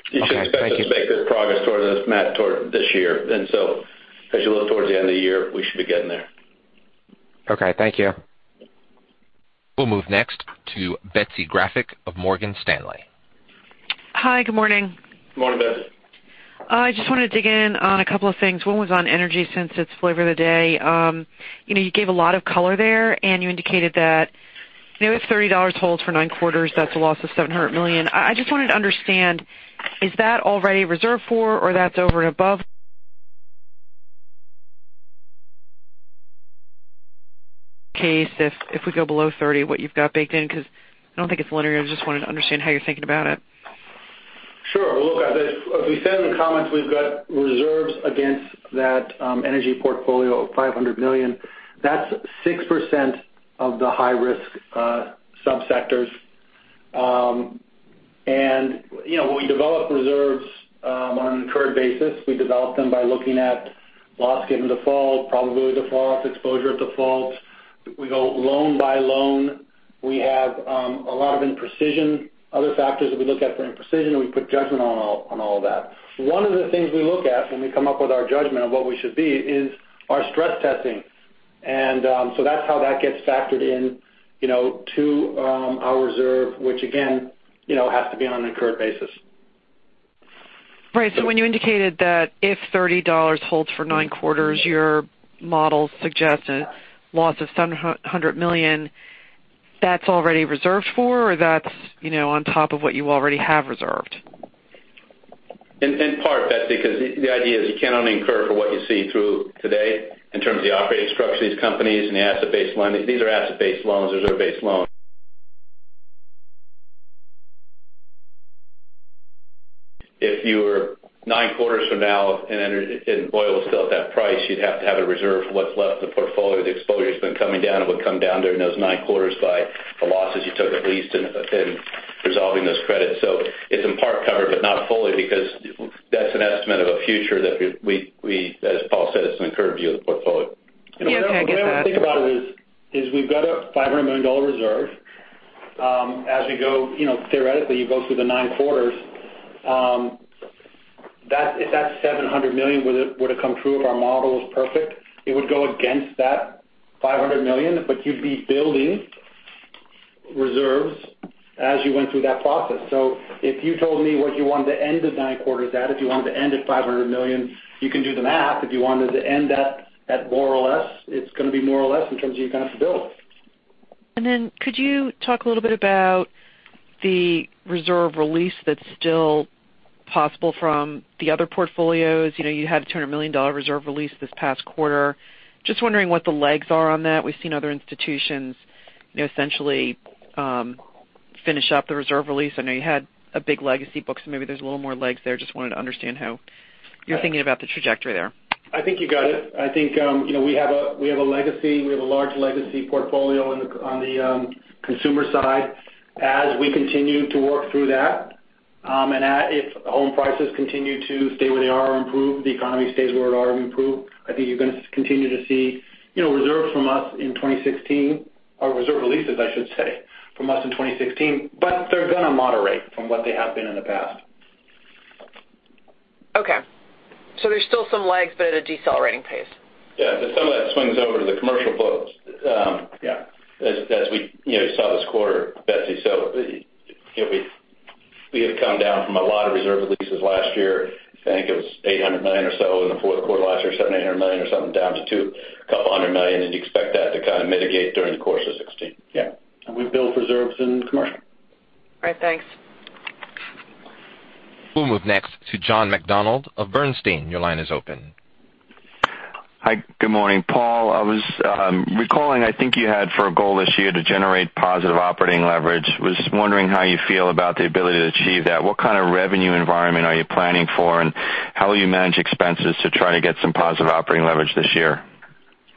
Okay, thank you. You should expect us to make good progress towards this, Matt, toward this year. As you look towards the end of the year, we should be getting there. Okay, thank you. We'll move next to Betsy Graseck of Morgan Stanley. Hi, good morning. Morning, Betsy. I just wanted to dig in on a couple of things. One was on energy, since it's flavor of the day. You gave a lot of color there, and you indicated that if $30 holds for nine quarters, that's a loss of $700 million. I just wanted to understand, is that already reserved for, or that's over and above case if we go below 30, what you've got baked in? I don't think it's linear. I just wanted to understand how you're thinking about it. Sure. Well, look, as we said in the comments, we've got reserves against that energy portfolio of $500 million. That's 6% of the high-risk subsectors. We develop reserves on an incurred basis. We develop them by looking at loss given default, probability of default, exposure of default. We go loan by loan. We have a lot of imprecision. Other factors that we look at for imprecision, and we put judgment on all of that. One of the things we look at when we come up with our judgment of what we should be is our stress testing. That's how that gets factored in to our reserve, which again, has to be on an incurred basis. Right. When you indicated that if $30 holds for nine quarters, your model suggests a loss of $700 million, that's already reserved for, or that's on top of what you already have reserved? In part, that's because the idea is you can only incur for what you see through today in terms of the operating structure of these companies and the asset-based lending. These are asset-based loans, reserve-based loans. If you were nine quarters from now and oil was still at that price, you'd have to have a reserve for what's left of the portfolio. The exposure's been coming down. It would come down during those nine quarters by the losses you took at least in resolving those credits. It's in part covered, but not fully, because that's an estimate of a future that we, as Paul said, it's an incurred view of the portfolio. Okay, I get that. The way I would think about it is we've got a $500 million reserve. As we go, theoretically, you go through the nine quarters. If that $700 million would've come true if our model was perfect, it would go against that $500 million, but you'd be building reserves as you went through that process. If you told me what you wanted to end the nine quarters at, if you wanted to end at $500 million, you can do the math. If you wanted to end that at more or less, it's going to be more or less in terms of you kind of build. Could you talk a little bit about the reserve release that's still possible from the other portfolios? You had a $200 million reserve release this past quarter. Just wondering what the legs are on that. We've seen other institutions essentially finish up the reserve release. I know you had a big legacy book, so maybe there's a little more legs there. Just wanted to understand how you're thinking about the trajectory there. I think you got it. I think we have a large legacy portfolio on the consumer side. As we continue to work through that, and if home prices continue to stay where they are or improve, the economy stays where it are or improve, I think you're going to continue to see reserves from us in 2016. Reserve releases, I should say, from us in 2016. They're going to moderate from what they have been in the past. Okay. There's still some legs, but at a decelerating pace. Yeah. Some of that swings over to the commercial books. Yeah. As we saw this quarter, Betsy. We have come down from a lot of reserve releases last year. I think it was $800 million or so in the fourth quarter last year, $700, $800 million or something, down to $200 million. You expect that to kind of mitigate during the course of 2016. Yeah. We build reserves in commercial. All right. Thanks. We'll move next to John McDonald of Bernstein. Your line is open. Hi. Good morning. Paul, I was recalling, I think you had for a goal this year to generate positive operating leverage. Was wondering how you feel about the ability to achieve that. What kind of revenue environment are you planning for, and how will you manage expenses to try to get some positive operating leverage this year?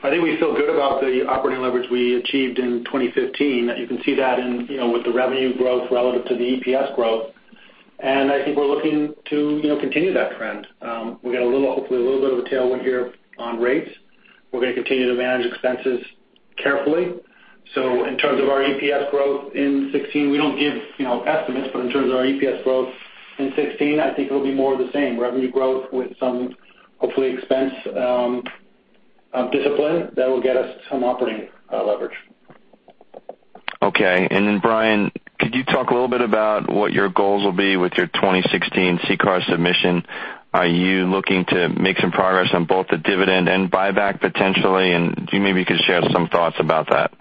I think we feel good about the operating leverage we achieved in 2015. You can see that with the revenue growth relative to the EPS growth. I think we're looking to continue that trend. We got hopefully a little bit of a tailwind here on rates. We're going to continue to manage expenses carefully. In terms of our EPS growth in 2016, we don't give estimates, but in terms of our EPS growth in 2016, I think it'll be more of the same. Revenue growth with some hopefully expense discipline that will get us some operating leverage. Okay. Brian, could you talk a little bit about what your goals will be with your 2016 CCAR submission? Are you looking to make some progress on both the dividend and buyback potentially, and maybe you could share some thoughts about that?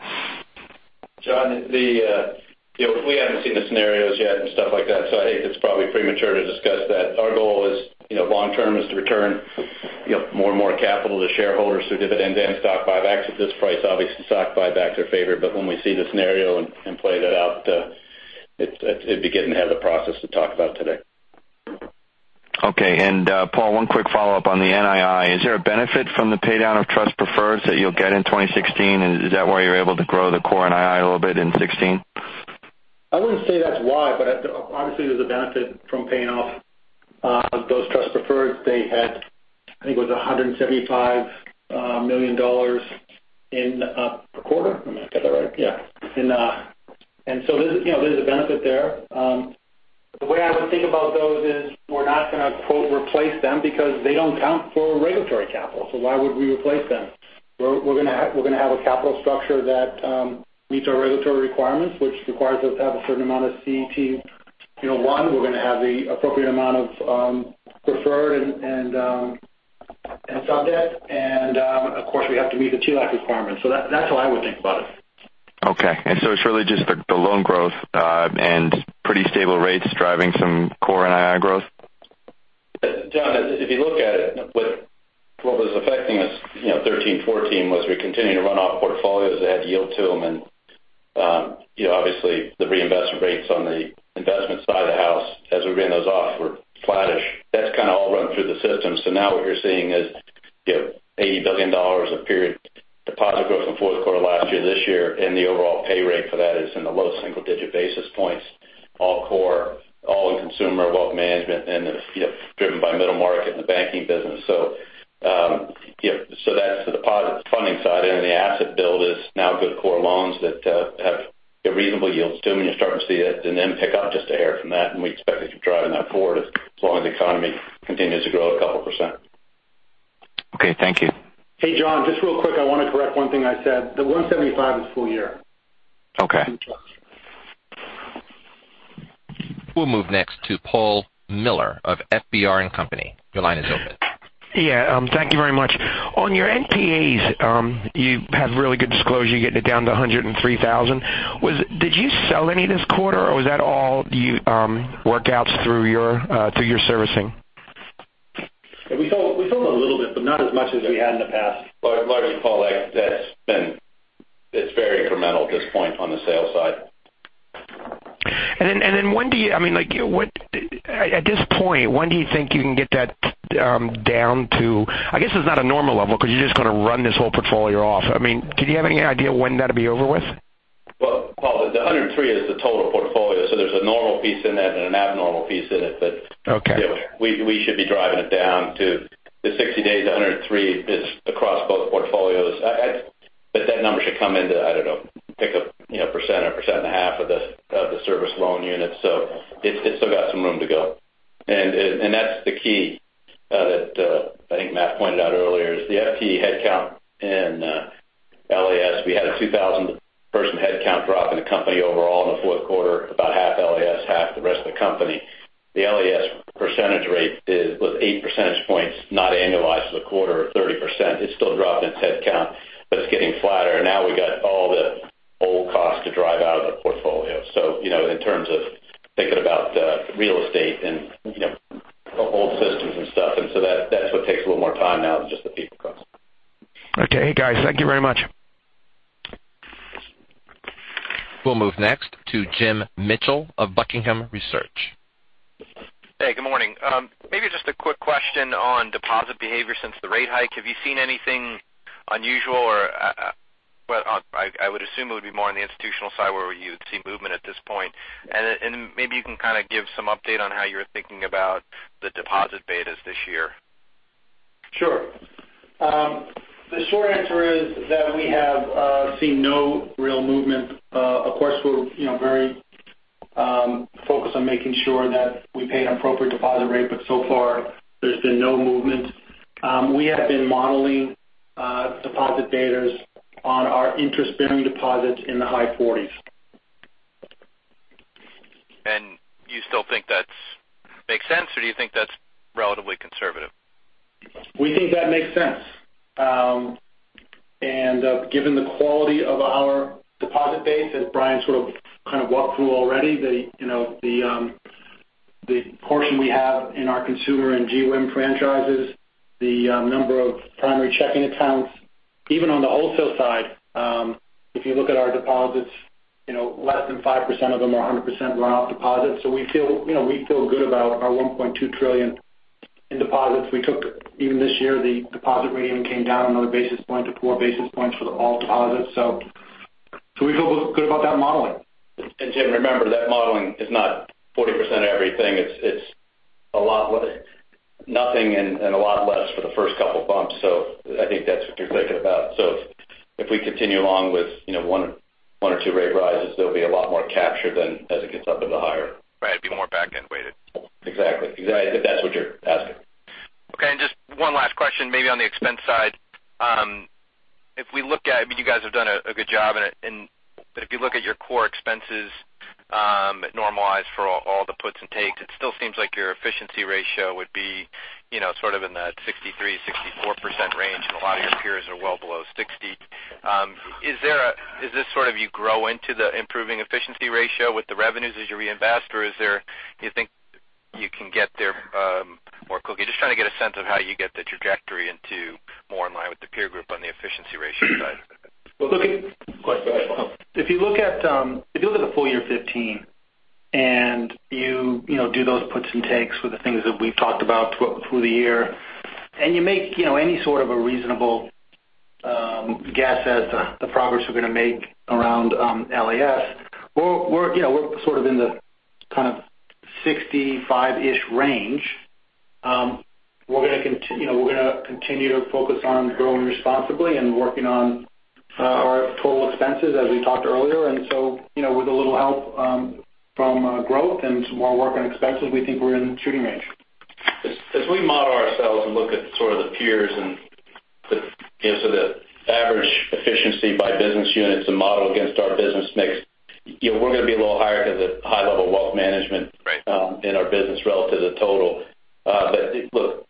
John, we haven't seen the scenarios yet and stuff like that, I think it's probably premature to discuss that. Our goal long term is to return more and more capital to shareholders through dividends and stock buybacks. At this price, obviously stock buybacks are favored. When we see the scenario and play that out, it'd be getting ahead of the process to talk about today. Okay. Paul, one quick follow-up on the NII. Is there a benefit from the pay down of trust preferreds that you'll get in 2016? Is that why you're able to grow the core NII a little bit in 2016? I wouldn't say that's why, but obviously there's a benefit from paying off those trust preferreds. They had, I think it was $175 million in a quarter. Did I get that right? Yeah. There's a benefit there. The way I would think about those is we're not going to, quote, "replace them because they don't count for regulatory capital." Why would we replace them? We're going to have a capital structure that meets our regulatory requirements, which requires us to have a certain amount of CET1. We're going to have the appropriate amount of preferred and sub debt. Of course, we have to meet the TLAC requirements. That's how I would think about it. Okay. It's really just the loan growth and pretty stable rates driving some core NII growth? John, if you look at it, what was affecting us 2013, 2014 was we continued to run off portfolios that had yield to them. Obviously the reinvestment rates on the investment side of the house as we ran those off were flattish. That's kind of all run through the system. Now what you're seeing is $80 billion of period deposit growth from fourth quarter last year to this year, the overall pay rate for that is in the low single-digit basis points. All core, all in consumer wealth management, driven by middle market and the banking business. That's the deposit funding side. The asset build is now good core loans that have reasonable yields to them, you're starting to see NIM pick up just a hair from that. We expect it to keep driving that forward as long as the economy continues to grow a couple %. Okay, thank you. Hey, John, just real quick, I want to correct one thing I said. The 175 is full year. Okay. We'll move next to Paul Miller of FBR & Company. Your line is open. Yeah. Thank you very much. On your NPAs, you have really good disclosure, you getting it down to 103,000. Did you sell any this quarter, or was that all workouts through your servicing? We sold a little bit, but not as much as we had in the past. Largely, Paul, it's very incremental at this point on the sales side. At this point, when do you think you can get that down to, I guess it's not a normal level because you're just going to run this whole portfolio off. Do you have any idea when that'll be over with? Well, Paul, the 103 is the total portfolio, so there's a normal piece in that and an abnormal piece in it. Okay. We should be driving it down to the 60 days. The 103 is across both portfolios. That number should come into, I don't know, pick a % or % and a half of the service loan units. It's still got some room to go. That's the key that I think Matt pointed out earlier, is the FTE headcount in LAS. We had a 2,000-person headcount drop in the company overall in the fourth quarter, about half LAS, half the rest of the company. The LAS percentage rate was eight percentage points, not annualized to the quarter of 30%. It's still dropped in its headcount, but it's getting flatter. Now we've got all the old costs to drive out of the portfolio. In terms of thinking about real estate and old systems and stuff, and so that's what takes a little more time now than just the people cost. Okay. Hey, guys, thank you very much. We'll move next to Jim Mitchell of Buckingham Research. Hey, good morning. Maybe just a quick question on deposit behavior since the rate hike? Have you seen anything unusual. I would assume it would be more on the institutional side where you would see movement at this point. Maybe you can kind of give some update on how you're thinking about the deposit betas this year. Sure. The short answer is that we have seen no real movement. Of course, we're very focused on making sure that we pay an appropriate deposit rate. So far there's been no movement. We have been modeling deposit betas on our interest-bearing deposits in the high 40s. You still think that makes sense, or do you think that's relatively conservative? We think that makes sense. Given the quality of our deposit base, as Brian sort of walked through already, the portion we have in our Consumer and GWIM franchises, the number of primary checking accounts, even on the wholesale side, if you look at our deposits, less than 5% of them are 100% runoff deposits. We feel good about our $1.2 trillion in deposits. Even this year, the deposit rating came down another basis point to four basis points for the all deposits. We feel good about that modeling. Jim, remember, that modeling is not 40% of everything. It's nothing and a lot less for the first couple of bumps. I think that's what you're thinking about. If we continue along with one or two rate rises, there'll be a lot more capture than as it gets up into the higher. Right. It'd be more back-end weighted. Exactly. If that's what you're asking. Okay. Just one last question, maybe on the expense side. You guys have done a good job, but if you look at your core expenses normalized for all the puts and takes, it still seems like your efficiency ratio would be sort of in that 63%-64% range, and a lot of your peers are well below 60%. Is this sort of you grow into the improving efficiency ratio with the revenues as you reinvest, or do you think you can get there more quickly? Just trying to get a sense of how you get the trajectory into more in line with the peer group on the efficiency ratio side of it. If you look at the full year 2015, you do those puts and takes with the things that we've talked about through the year, you make any sort of a reasonable guess as to the progress we're going to make around LAS, we're sort of in the kind of 65% range. We're going to continue to focus on growing responsibly and working on our total expenses, as we talked earlier. With a little help from growth and some more work on expenses, we think we're in shooting range. As we model ourselves and look at sort of the peers and the average efficiency by business units and model against our business mix, we're going to be a little higher because of high level wealth management- Right in our business relative to total. Look,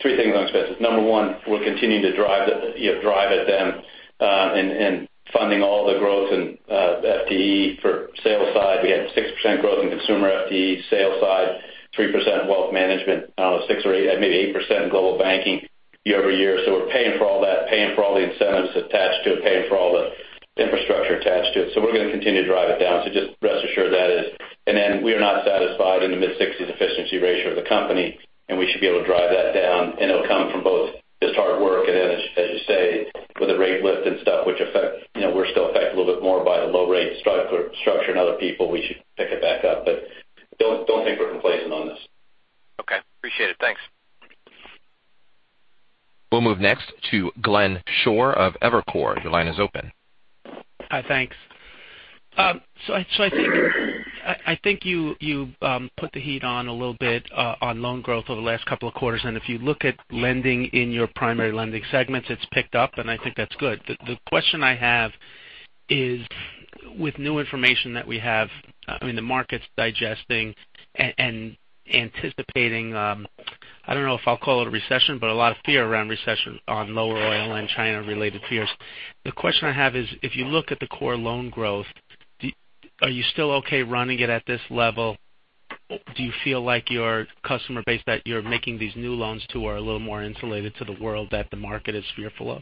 three things on expenses. Number 1, we're continuing to drive at them and funding all the growth in FTE for sales side. We had 6% growth in consumer FTE sales side, 3% wealth management, maybe 8% in Global Banking year-over-year. We're paying for all that, paying for all the incentives attached to it, paying for all the infrastructure attached to it. We're going to continue to drive it down. Just rest assured. We are not satisfied in the mid-60s% efficiency ratio of the company, we should be able to drive that down, it'll come from both just hard work and then, as you say, with a rate lift and stuff, which we're still affected a little bit more by the low rate structure than other people. We should pick it back up. Don't think we're complacent on this. Okay, appreciate it. Thanks. We'll move next to Glenn Schorr of Evercore. Your line is open. Hi, thanks. I think you put the heat on a little bit on loan growth over the last couple of quarters, and if you look at lending in your primary lending segments, it's picked up, and I think that's good. The question I have is with new information that we have, the market's digesting and anticipating, I don't know if I'll call it a recession, but a lot of fear around recession on lower oil and China-related fears. The question I have is, if you look at the core loan growth, are you still okay running it at this level? Do you feel like your customer base that you're making these new loans to are a little more insulated to the world that the market is fearful of?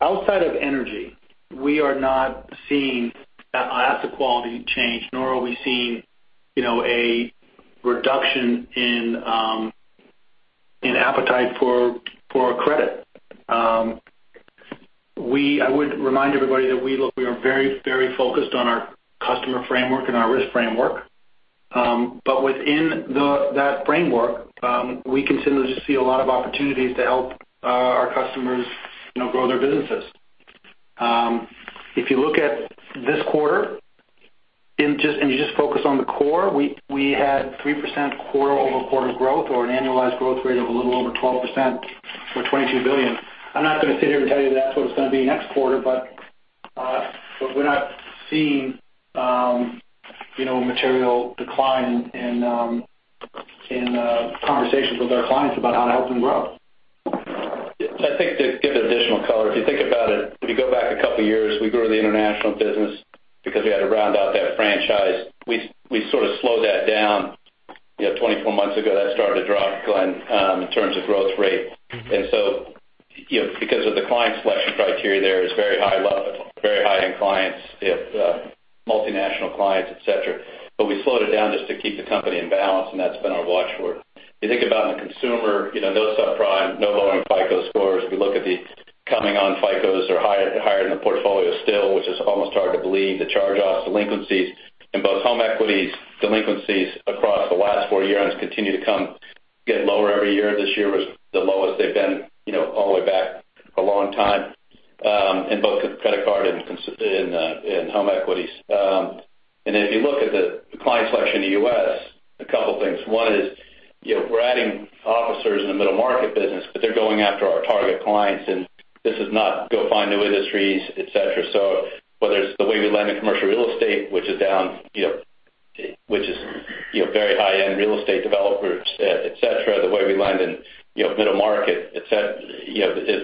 Outside of energy, we are not seeing asset quality change, nor are we seeing a reduction in appetite for credit. I would remind everybody that we are very focused on our customer framework and our risk framework. Within that framework, we continue to see a lot of opportunities to help our customers grow their businesses. If you look at this quarter, and you just focus on the core, we had 3% quarter-over-quarter growth or an annualized growth rate of a little over 12% for $22 billion. I'm not going to sit here and tell you that's what it's going to be next quarter, but we're not seeing material decline in conversations with our clients about how to help them grow. I think to give additional color, if you think about it, if you go back a couple of years, we grew the international business because we had to round out that franchise. We sort of slowed that down. 24 months ago, that started to drop, Glenn, in terms of growth rate. Because of the client selection criteria there is very high-end clients, multinational clients, et cetera. We slowed it down just to keep the company in balance, and that's been our watch word. If you think about in the consumer, no subprime, no lowering FICO scores. If you look at the coming on FICOs are higher in the portfolio still, which is almost hard to believe. The charge-offs, delinquencies in both home equities, delinquencies across the last 4 year-ends continue to get lower every year. This year was the lowest they've been all the way back a long time in both credit card and home equities. If you look at the client selection in the U.S., a couple of things. One is we're adding officers in the middle market business, but they're going after our target clients, and this is not go find new industries, et cetera. Whether it's the way we lend in commercial real estate, which is very high-end real estate developers, et cetera, the way we lend in middle market is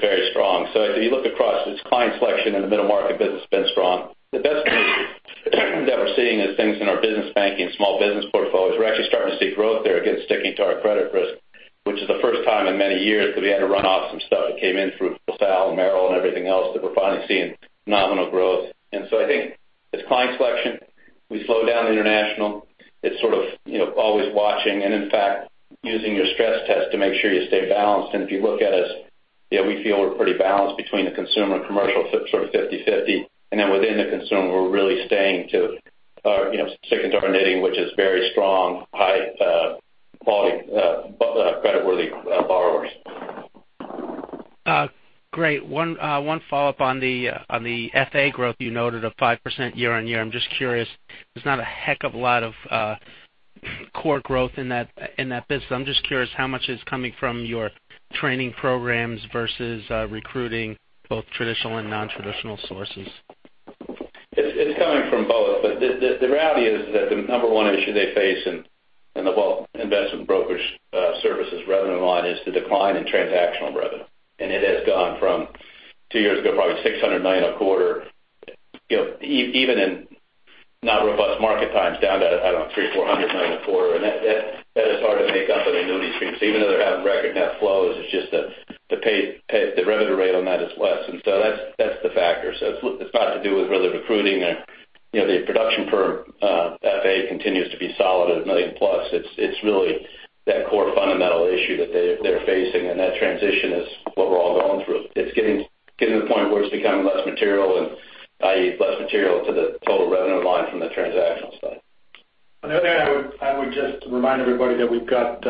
very strong. If you look across, it's client selection in the middle market business has been strong. The best news that we're seeing is things in our business banking and small business portfolios. We're actually starting to see growth there, again, sticking to our credit risk, which is the first time in many years because we had to run off some stuff that came in through LaSalle and Merrill and everything else that we're finally seeing nominal growth. I think it's client selection. We slow down international. It's sort of always watching and, in fact, using your stress test to make sure you stay balanced. If you look at us, we feel we're pretty balanced between the consumer and commercial, sort of 50/50. Within the consumer, we're really sticking to our knitting, which is very strong, high-quality, creditworthy borrowers. Great. One follow-up on the FA growth you noted of 5% year-over-year. I'm just curious, there's not a heck of a lot of core growth in that business. I'm just curious how much is coming from your training programs versus recruiting both traditional and non-traditional sources. It's coming from both. The reality is that the number 1 issue they face in the wealth investment brokerage services revenue line is the decline in transactional revenue. It has gone from two years ago, probably $600 million a quarter even in not robust market times down to, I don't know, $300 million or $400 million a quarter. That is hard to make up in annuity streams. Even though they're having record net flows, it's just that the revenue rate on that is less. That's the factor. It's not to do with really recruiting. The production per FA continues to be solid at $1 million plus. It's really that core fundamental issue that they're facing, and that transition is what we're all going through. It's getting to the point where it's becoming less material and, i.e., less material to the total revenue line from the transactional side. The other thing I would just remind everybody that we've got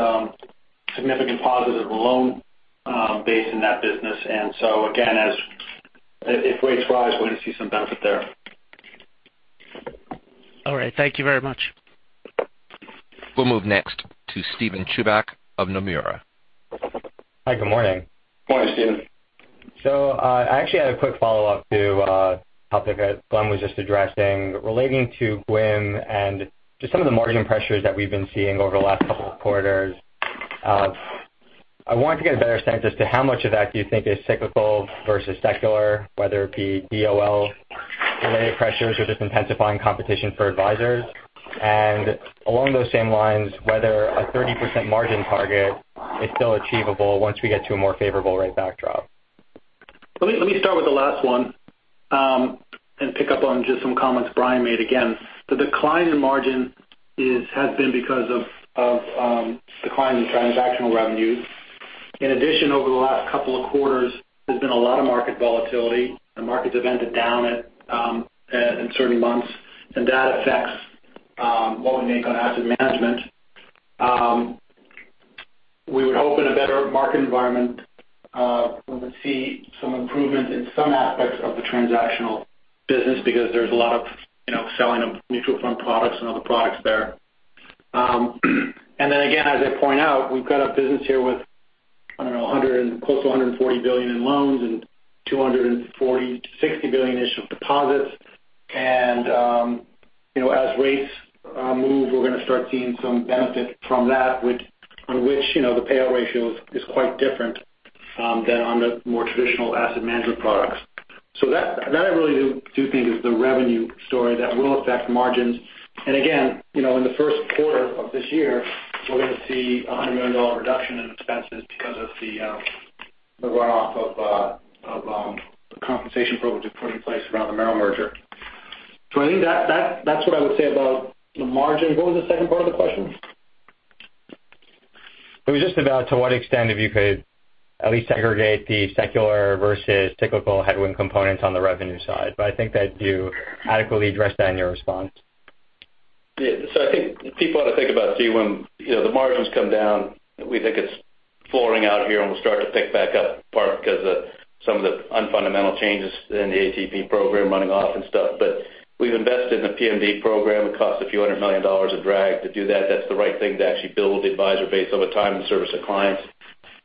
significant positive loan base in that business. So again, if rates rise, we're going to see some benefit there. All right. Thank you very much. We'll move next to Steven Chubak of Nomura. Hi, good morning. Morning, Steven. I actually had a quick follow-up to a topic that Glenn was just addressing relating to WIM and just some of the margin pressures that we've been seeing over the last couple of quarters. I wanted to get a better sense as to how much of that do you think is cyclical versus secular, whether it be DOL-related pressures or just intensifying competition for advisors. Along those same lines, whether a 30% margin target is still achievable once we get to a more favorable rate backdrop. Let me start with the last one and pick up on just some comments Brian made again. The decline in margin has been because of decline in transactional revenues. In addition, over the last couple of quarters, there's been a lot of market volatility, and markets have ended down in certain months, and that affects what we make on asset management. We would hope in a better market environment, we would see some improvement in some aspects of the transactional business because there's a lot of selling of mutual fund products and other products there. Then again, as I point out, we've got a business here with close to $140 billion in loans and $240 billion-$260 billion-ish of deposits. As rates move, we're going to start seeing some benefit from that, on which the payout ratio is quite different than on the more traditional asset management products. That I really do think is the revenue story that will affect margins. Again, in the first quarter of this year, we're going to see a $100 million reduction in expenses because of the runoff of the compensation program to put in place around the Merrill merger. I think that's what I would say about the margin. What was the second part of the question? It was just about to what extent if you could at least segregate the secular versus typical headwind components on the revenue side. I think that you adequately addressed that in your response. I think people ought to think about too, when the margins come down, we think it is flooring out here and will start to pick back up, in part because of some of the unfundamental changes in the ATP program running off and stuff. We have invested in the PMD program. It cost a few hundred million dollars of drag to do that. That is the right thing to actually build the advisor base over time to service the clients.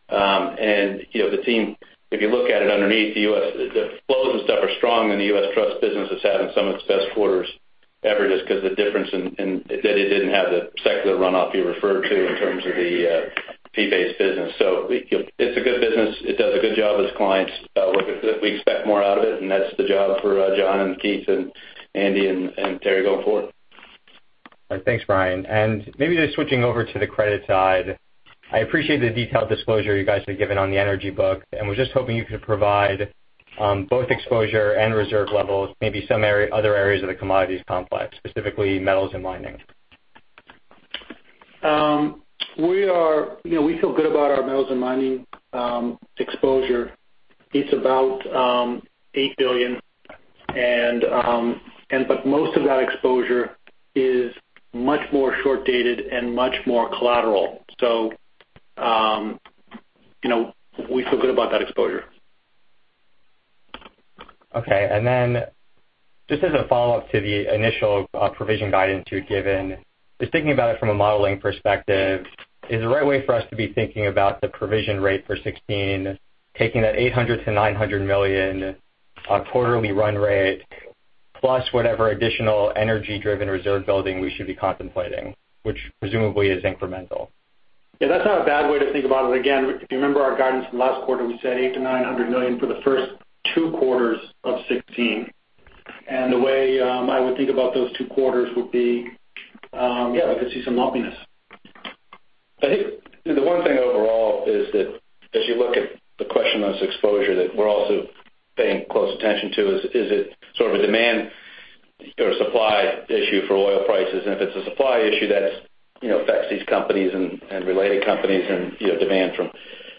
The team, if you look at it underneath the U.S., the flows and stuff are strong, and the U.S. Trust business is having some of its best quarters ever just because the difference in that it did not have the secular runoff you referred to in terms of the fee-based business. It does a good business. It does a good job with clients. We expect more out of it, and that is the job for John and Keith and Andy and Terry going forward. All right. Thanks, Brian. Maybe just switching over to the credit side. I appreciate the detailed disclosure you guys have given on the energy book, and was just hoping you could provide both exposure and reserve levels, maybe some other areas of the commodities complex, specifically metals and mining. We feel good about our metals and mining exposure. It's about $8 billion. Most of that exposure is much more short-dated and much more collateral. We feel good about that exposure. Okay. Just as a follow-up to the initial provision guidance you'd given, just thinking about it from a modeling perspective, is the right way for us to be thinking about the provision rate for 2016, taking that $800 million-$900 million quarterly run rate plus whatever additional energy-driven reserve building we should be contemplating, which presumably is incremental. Yeah, that's not a bad way to think about it. Again, if you remember our guidance from last quarter, we said $800 million-$900 million for the first two quarters of 2016. The way I would think about those two quarters would be, yeah, we could see some lumpiness. I think the one thing overall is that as you look at the question on exposure that we're also paying close attention to, is it sort of a demand or supply issue for oil prices? If it's a supply issue, that affects these companies and related companies and demand from.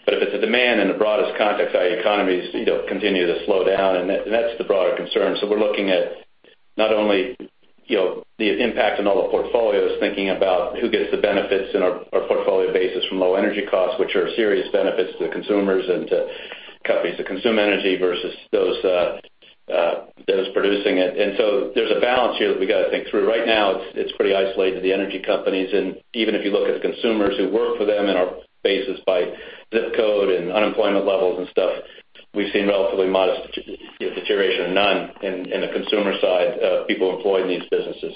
If it's a demand in the broadest context, i.e. economies continue to slow down, that's the broader concern. We're looking at not only the impact on all the portfolios, thinking about who gets the benefits in our portfolio basis from low energy costs, which are serious benefits to consumers and to companies that consume energy versus those producing it. There's a balance here that we got to think through. Right now, it's pretty isolated to the energy companies. Even if you look at the consumers who work for them and are bases by ZIP code and unemployment levels and stuff, we've seen relatively modest deterioration or none in the consumer side of people employed in these businesses.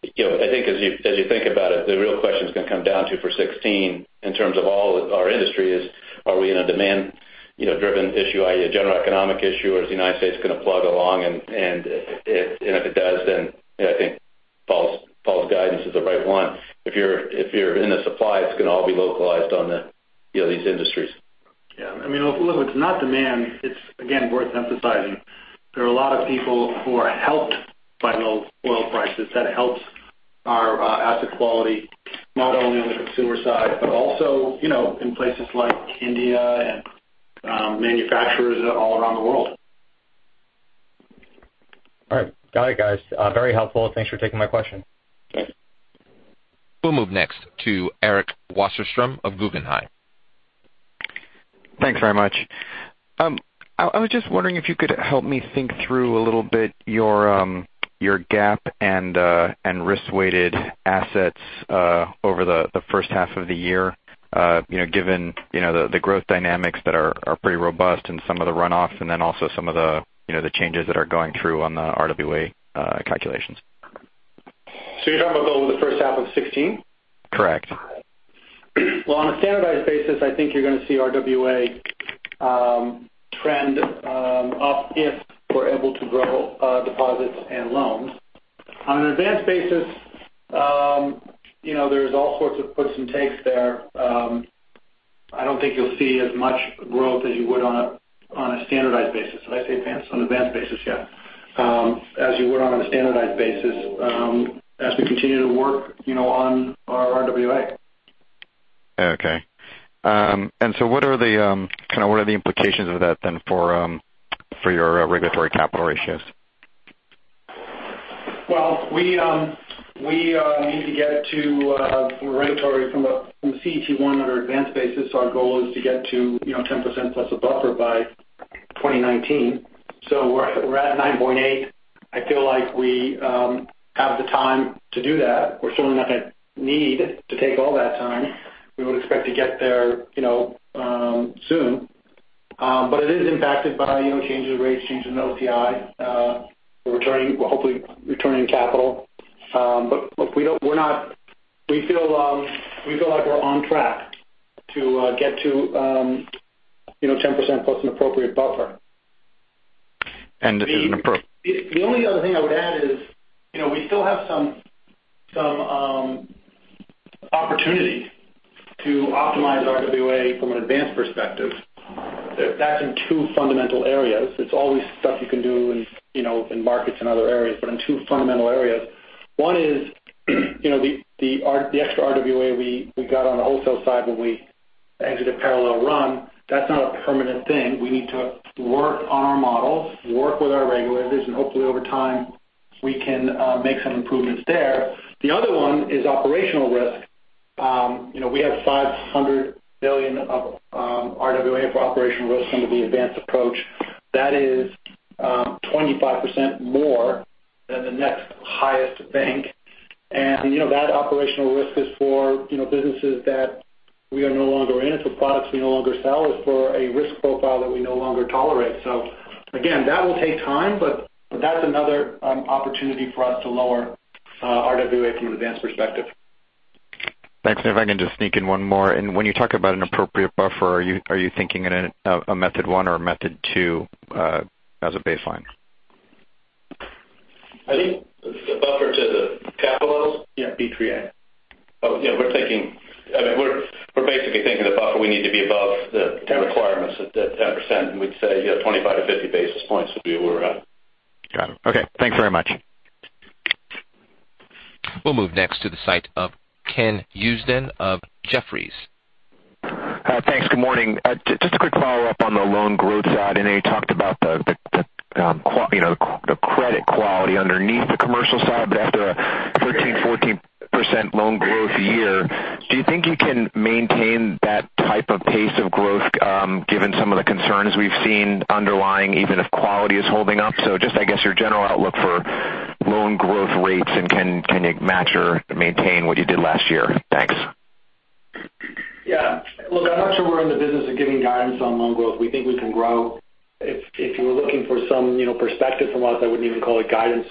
I think as you think about it, the real question it's going to come down to for 2016 in terms of all our industry is, are we in a demand-driven issue, i.e. a general economic issue, or is the U.S. going to plug along? If it does, then I think Paul's guidance is the right one. If you're in the supply, it's going to all be localized on these industries. Yeah. Look, it's not demand. It's again worth emphasizing. There are a lot of people who are helped by low oil prices. That helps our asset quality, not only on the consumer side, but also in places like India and manufacturers all around the world. All right. Got it, guys. Very helpful. Thanks for taking my question. Yes. We'll move next to Eric Wasserstrom of Guggenheim. Thanks very much. I was just wondering if you could help me think through a little bit your gap and risk-weighted assets over the first half of the year given the growth dynamics that are pretty robust and some of the runoff. Also some of the changes that are going through on the RWA calculations. You're talking about over the first half of 2016? Correct. Well, on a standardized basis, I think you're going to see RWA trend up if we're able to grow deposits and loans. On an advanced basis, there's all sorts of puts and takes there. I don't think you'll see as much growth as you would on a standardized basis. Did I say advanced? On advanced basis, yeah. As you would on a standardized basis as we continue to work on our RWA. Okay. What are the implications of that then for your regulatory capital ratios? We need to get to regulatory from a CET1 under advanced basis. Our goal is to get to 10% plus a buffer by 2019. We're at 9.8. I feel like we have the time to do that. We're certainly not going to need to take all that time. We would expect to get there soon. It is impacted by changes in rates, changes in OCI. We're hopefully returning capital. We feel like we're on track to get to 10% plus an appropriate buffer. This is an. The only other thing I would add is, we still have some opportunity to optimize RWA from an advanced perspective. That's in two fundamental areas. There's always stuff you can do in markets, in other areas, but in two fundamental areas. One is, the extra RWA we got on the wholesale side when we exited parallel run. That's not a permanent thing. We need to work on our models, work with our regulators, and hopefully over time, we can make some improvements there. The other one is operational risk. We have $500 billion of RWA for operational risk under the advanced approach. That is 25% more than the next highest bank. That operational risk is for businesses that we are no longer in. It's for products we no longer sell. It's for a risk profile that we no longer tolerate. Again, that will take time, but that's another opportunity for us to lower RWA from an advanced perspective. Thanks. If I can just sneak in one more. When you talk about an appropriate buffer, are you thinking in a method 1 or a method 2 as a baseline? I think the buffer to the capital? Yeah, Basel III Advanced. Oh, yeah. We're basically thinking the buffer we need to be above the Yeah requirements at 10%, and we'd say 25 to 50 basis points would be where we're at. Got it. Okay. Thanks very much. We'll move next to Ken Usdin of Jefferies. Hi. Thanks. Good morning. Just a quick follow-up on the loan growth side. I know you talked about the credit quality underneath the commercial side, but after a 13%, 14% loan growth year, do you think you can maintain that type of pace of growth given some of the concerns we've seen underlying, even if quality is holding up? Just, I guess, your general outlook for loan growth rates, and can you match or maintain what you did last year? Thanks. Yeah. Look, I'm not sure we're in the business of giving guidance on loan growth. We think we can grow. If you were looking for some perspective from us, I wouldn't even call it guidance.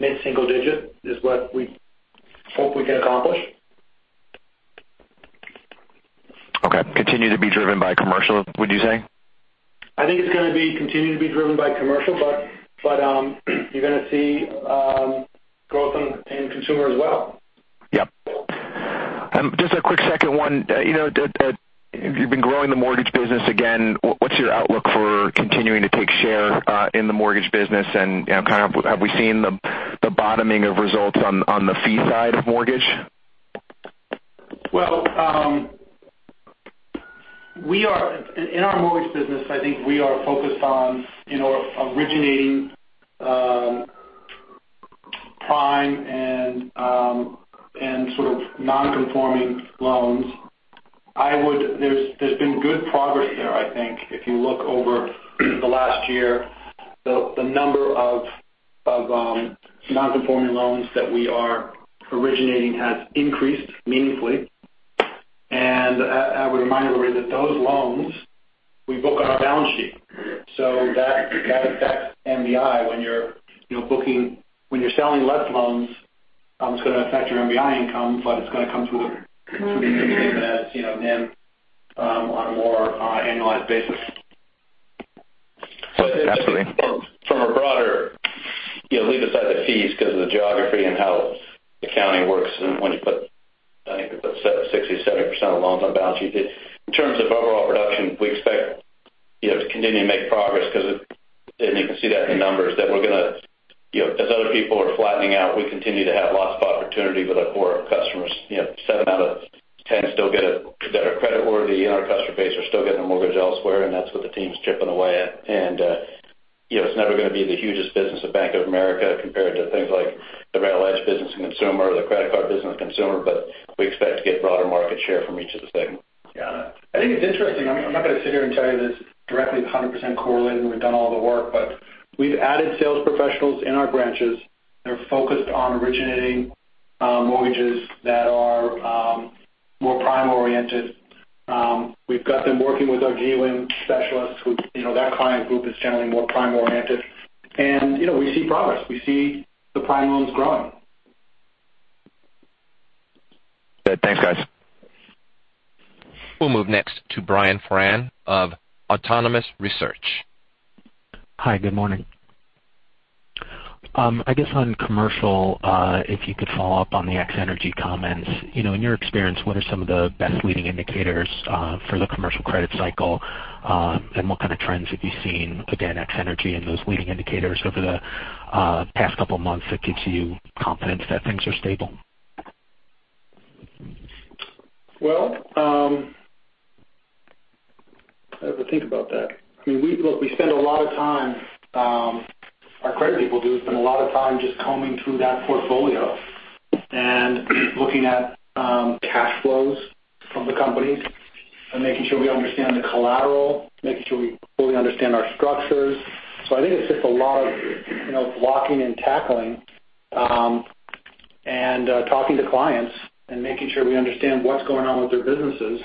Mid-single digit is what we hope we can accomplish. Okay. Continue to be driven by commercial, would you say? I think it's going to continue to be driven by commercial, but you're going to see growth in consumer as well. Yep. Just a quick second one. You've been growing the mortgage business again. What's your outlook for continuing to take share in the mortgage business, and have we seen the bottoming of results on the fee side of mortgage? Well, in our mortgage business, I think we are focused on originating prime and sort of non-conforming loans. There's been good progress there, I think. If you look over the last year, the number of non-conforming loans that we are originating has increased meaningfully. I would remind everybody that those loans we book on our balance sheet. That affects NBI. When you're selling less loans, it's going to affect your NBI income, but it's going to come through as NIM on a more annualized basis. Absolutely. From a broader, leave aside the fees because of the geography and how the accounting works, I think we put 60%-70% of loans on balance sheets. In terms of overall production, we expect to continue to make progress because you can see that in the numbers that as other people are flattening out, we continue to have lots of opportunity with our core customers. Seven out of 10 that are credit worthy in our customer base are still getting a mortgage elsewhere, and that's what the team's chipping away at. It's never going to be the hugest business of Bank of America compared to things like the very large business in consumer or the credit card business in consumer. We expect to get broader market share from each of the segments. Yeah. I think it's interesting. I'm not going to sit here and tell you this directly is 100% correlated, we've done all the work, we've added sales professionals in our branches. They're focused on originating mortgages that are more prime oriented. We've got them working with our GWIM specialists who, that client group is generally more prime oriented. We see progress. We see the prime loans growing. Good. Thanks, guys. We'll move next to Brian Foran of Autonomous Research. Hi, good morning. I guess on commercial, if you could follow up on the ex-energy comments. In your experience, what are some of the best leading indicators for the commercial credit cycle? What kind of trends have you seen, again, ex-energy and those leading indicators over the past couple of months that gives you confidence that things are stable? Well, I have to think about that. Look, we spend a lot of time, our credit people do spend a lot of time just combing through that portfolio and looking at cash flows from the companies and making sure we understand the collateral, making sure we fully understand our structures. I think it's just a lot of blocking and tackling, and talking to clients and making sure we understand what's going on with their businesses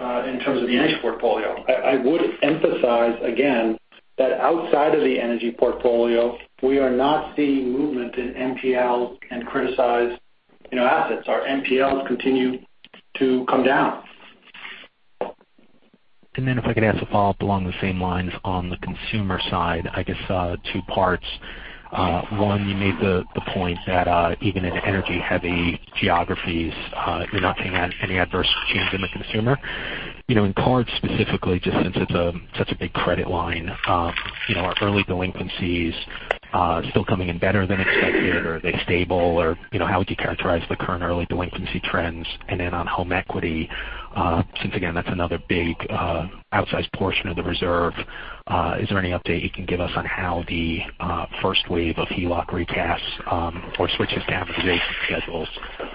in terms of the energy portfolio. I would emphasize again that outside of the energy portfolio, we are not seeing movement in NPLs and criticized assets. Our NPLs continue to come down. If I could ask a follow-up along the same lines on the consumer side, I guess two parts. One, you made the point that even in energy-heavy geographies, you're not seeing any adverse change in the consumer. In cards specifically, just since it's such a big credit line, are early delinquencies still coming in better than expected? Are they stable or how would you characterize the current early delinquency trends? On home equity, since again that's another big outsized portion of the reserve, is there any update you can give us on how the first wave of HELOC recasts or switches to amortization schedules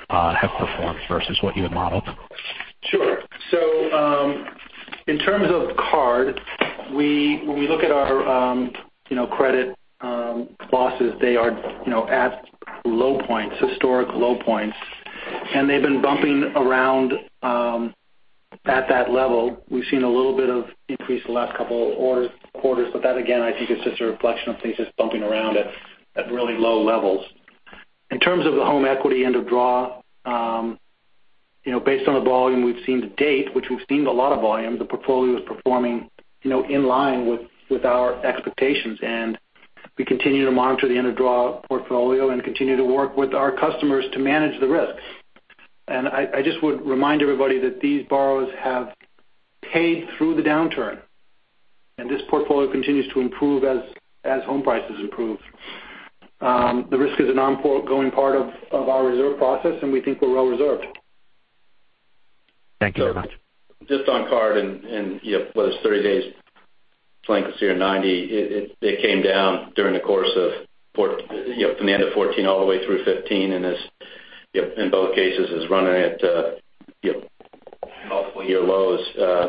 have performed versus what you had modeled? Sure. In terms of card, when we look at our credit losses, they are at low points, historic low points, and they've been bumping around at that level. We've seen a little bit of increase the last couple of quarters, but that again I think is just a reflection of things just bumping around at really low levels. In terms of the home equity end of draw, based on the volume we've seen to date, which we've seen a lot of volume, the portfolio is performing in line with our expectations. We continue to monitor the end of draw portfolio and continue to work with our customers to manage the risks. I just would remind everybody that these borrowers have paid through the downturn. This portfolio continues to improve as home prices improve. The risk is an ongoing part of our reserve process, and we think we're well reserved. Thank you very much. Just on card and whether it's 30 days delinquency or 90, it came down during the course of from the end of 2014 all the way through 2015, and in both cases is running at multiple year lows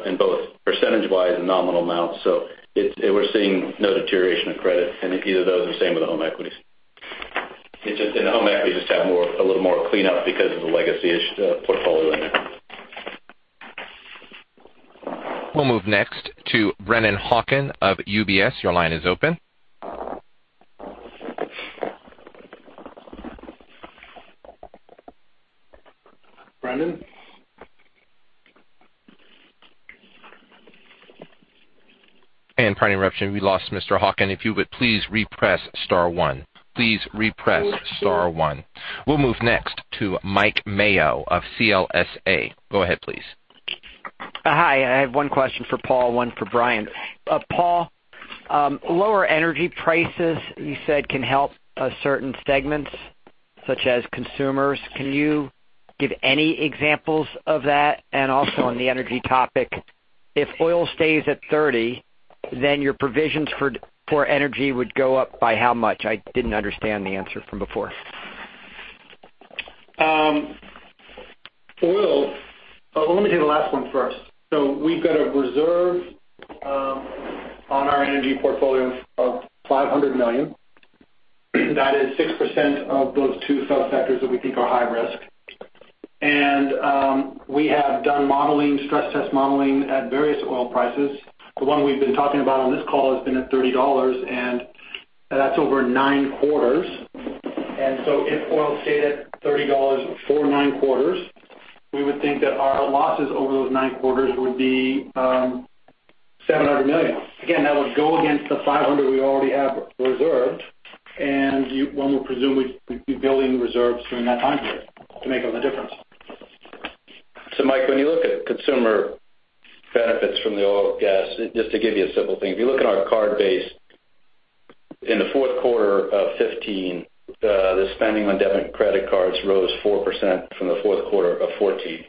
in both percentage-wise and nominal amounts. We're seeing no deterioration of credit in either of those, the same with the home equities. In the home equity, just have a little more cleanup because of the legacy-ish portfolio in there. We'll move next to Brennan Hawken of UBS. Your line is open. Brennan? Pardon the interruption. We lost Mr. Hawken. If you would please re-press star one. Please re-press star one. We'll move next to Mike Mayo of CLSA. Go ahead, please. Hi. I have one question for Paul, one for Brian. Paul, lower energy prices, you said can help certain segments such as consumers. Can you give any examples of that? Also on the energy topic, if oil stays at $30, your provisions for energy would go up by how much? I didn't understand the answer from before. Oil. Let me do the last one first. We've got a reserve on our energy portfolio of $500 million. That is 6% of those two subsectors that we think are high risk. We have done modeling, stress test modeling at various oil prices. The one we've been talking about on this call has been at $30, and that's over nine quarters. If oil stayed at $30 for nine quarters, we would think that our losses over those nine quarters would be $700 million. Again, that would go against the $500 we already have reserved. One would presume we'd be building reserves during that time period to make up the difference. Mike, when you look at consumer benefits from the oil and gas, just to give you a simple thing. If you look at our card base in the fourth quarter of 2015, the spending on debit credit cards rose 4% from the fourth quarter of 2014.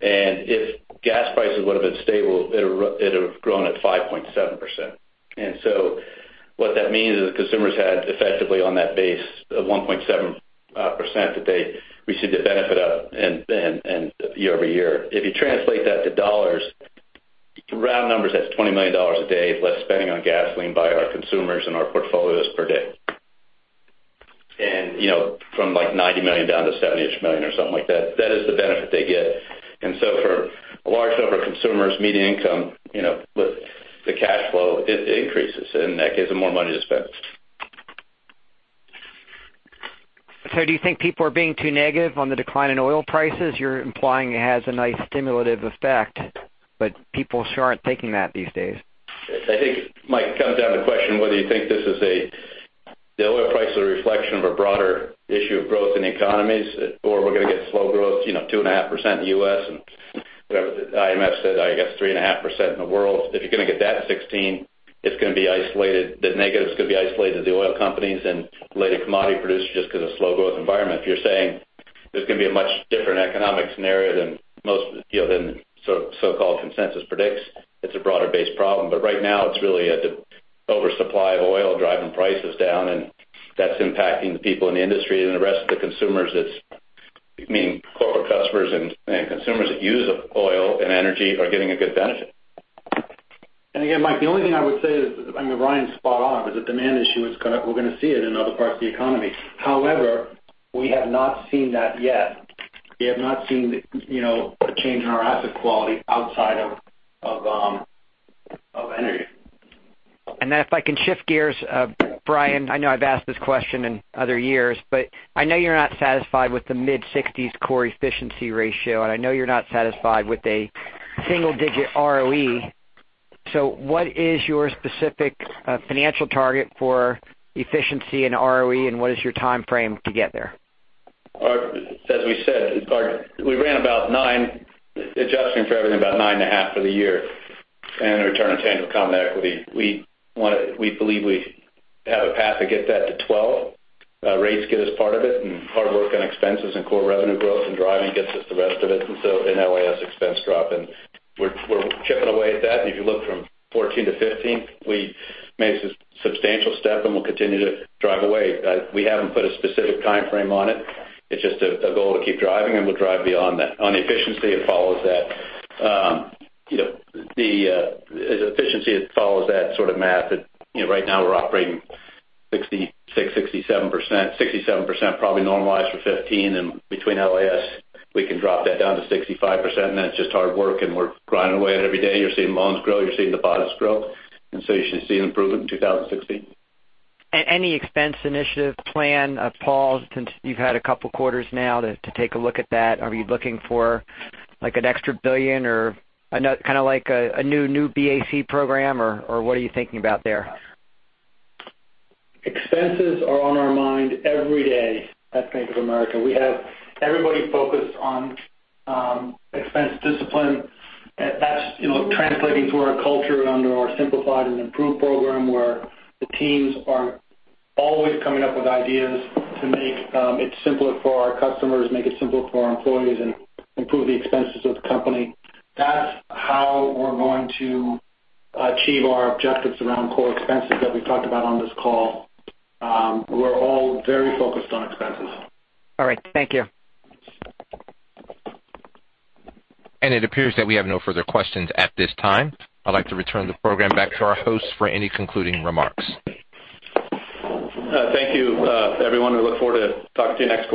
If gas prices would've been stable, it'd have grown at 5.7%. What that means is the consumers had effectively on that base of 1.7% that they received the benefit of year-over-year. If you translate that to dollars, round numbers that's $20 million a day of less spending on gasoline by our consumers and our portfolios per day. From like $90 million down to $70-ish million or something like that. That is the benefit they get. For a large number of consumers, median income, the cash flow increases, and that gives them more money to spend. Do you think people are being too negative on the decline in oil prices? You're implying it has a nice stimulative effect, but people sure aren't thinking that these days. I think, Mike, it comes down to the question whether you think the oil price is a reflection of a broader issue of growth in economies, or we're going to get slow growth, 2.5% in the U.S. and whatever the IMF said, I guess 3.5% in the world. If you're going to get that 2016, it's going to be isolated. The negatives could be isolated to the oil companies and related commodity producers just because of slow growth environment. If you're saying there's going to be a much different economic scenario than most so-called consensus predicts, it's a broader base problem. Right now, it's really the oversupply of oil driving prices down, and that's impacting the people in the industry and the rest of the consumers. Corporate customers and consumers that use oil and energy are getting a good benefit. Again, Mike, the only thing I would say is, I mean, Brian's spot on, because the demand issue, we're going to see it in other parts of the economy. However, we have not seen that yet. We have not seen a change in our asset quality outside of energy. If I can shift gears, Brian, I know I've asked this question in other years, but I know you're not satisfied with the mid-60s core efficiency ratio, and I know you're not satisfied with a single-digit ROE. What is your specific financial target for efficiency and ROE, and what is your timeframe to get there? As we said, we ran about nine, adjusting for everything, about nine and a half for the year in return on tangible common equity. We believe we have a path to get that to 12. Rates get us part of it, hard work on expenses and core revenue growth and driving gets us the rest of it. An LAS expense drop, and we're chipping away at that. If you look from 2014 to 2015, we made a substantial step and we'll continue to drive away. We haven't put a specific timeframe on it. It's just a goal to keep driving, and we'll drive beyond that. On efficiency, it follows that sort of math that right now we're operating 66%, 67%. 67% probably normalized for 2015, and between LAS, we can drop that down to 65%. That's just hard work, and we're grinding away at it every day. You're seeing loans grow, you're seeing deposits grow, you should see an improvement in 2016. Any expense initiative plan paused since you've had a couple of quarters now to take a look at that. Are you looking for an extra $1 billion or kind of like a new BAC program, or what are you thinking about there? Expenses are on our mind every day at Bank of America. We have everybody focused on expense discipline. That's translating to our culture under our Simplify and Improve program, where the teams are always coming up with ideas to make it simpler for our customers, make it simpler for our employees, and improve the expenses of the company. That's how we're going to achieve our objectives around core expenses that we talked about on this call. We're all very focused on expenses. All right. Thank you. It appears that we have no further questions at this time. I'd like to return the program back to our hosts for any concluding remarks. Thank you, everyone. We look forward to talking to you next quarter.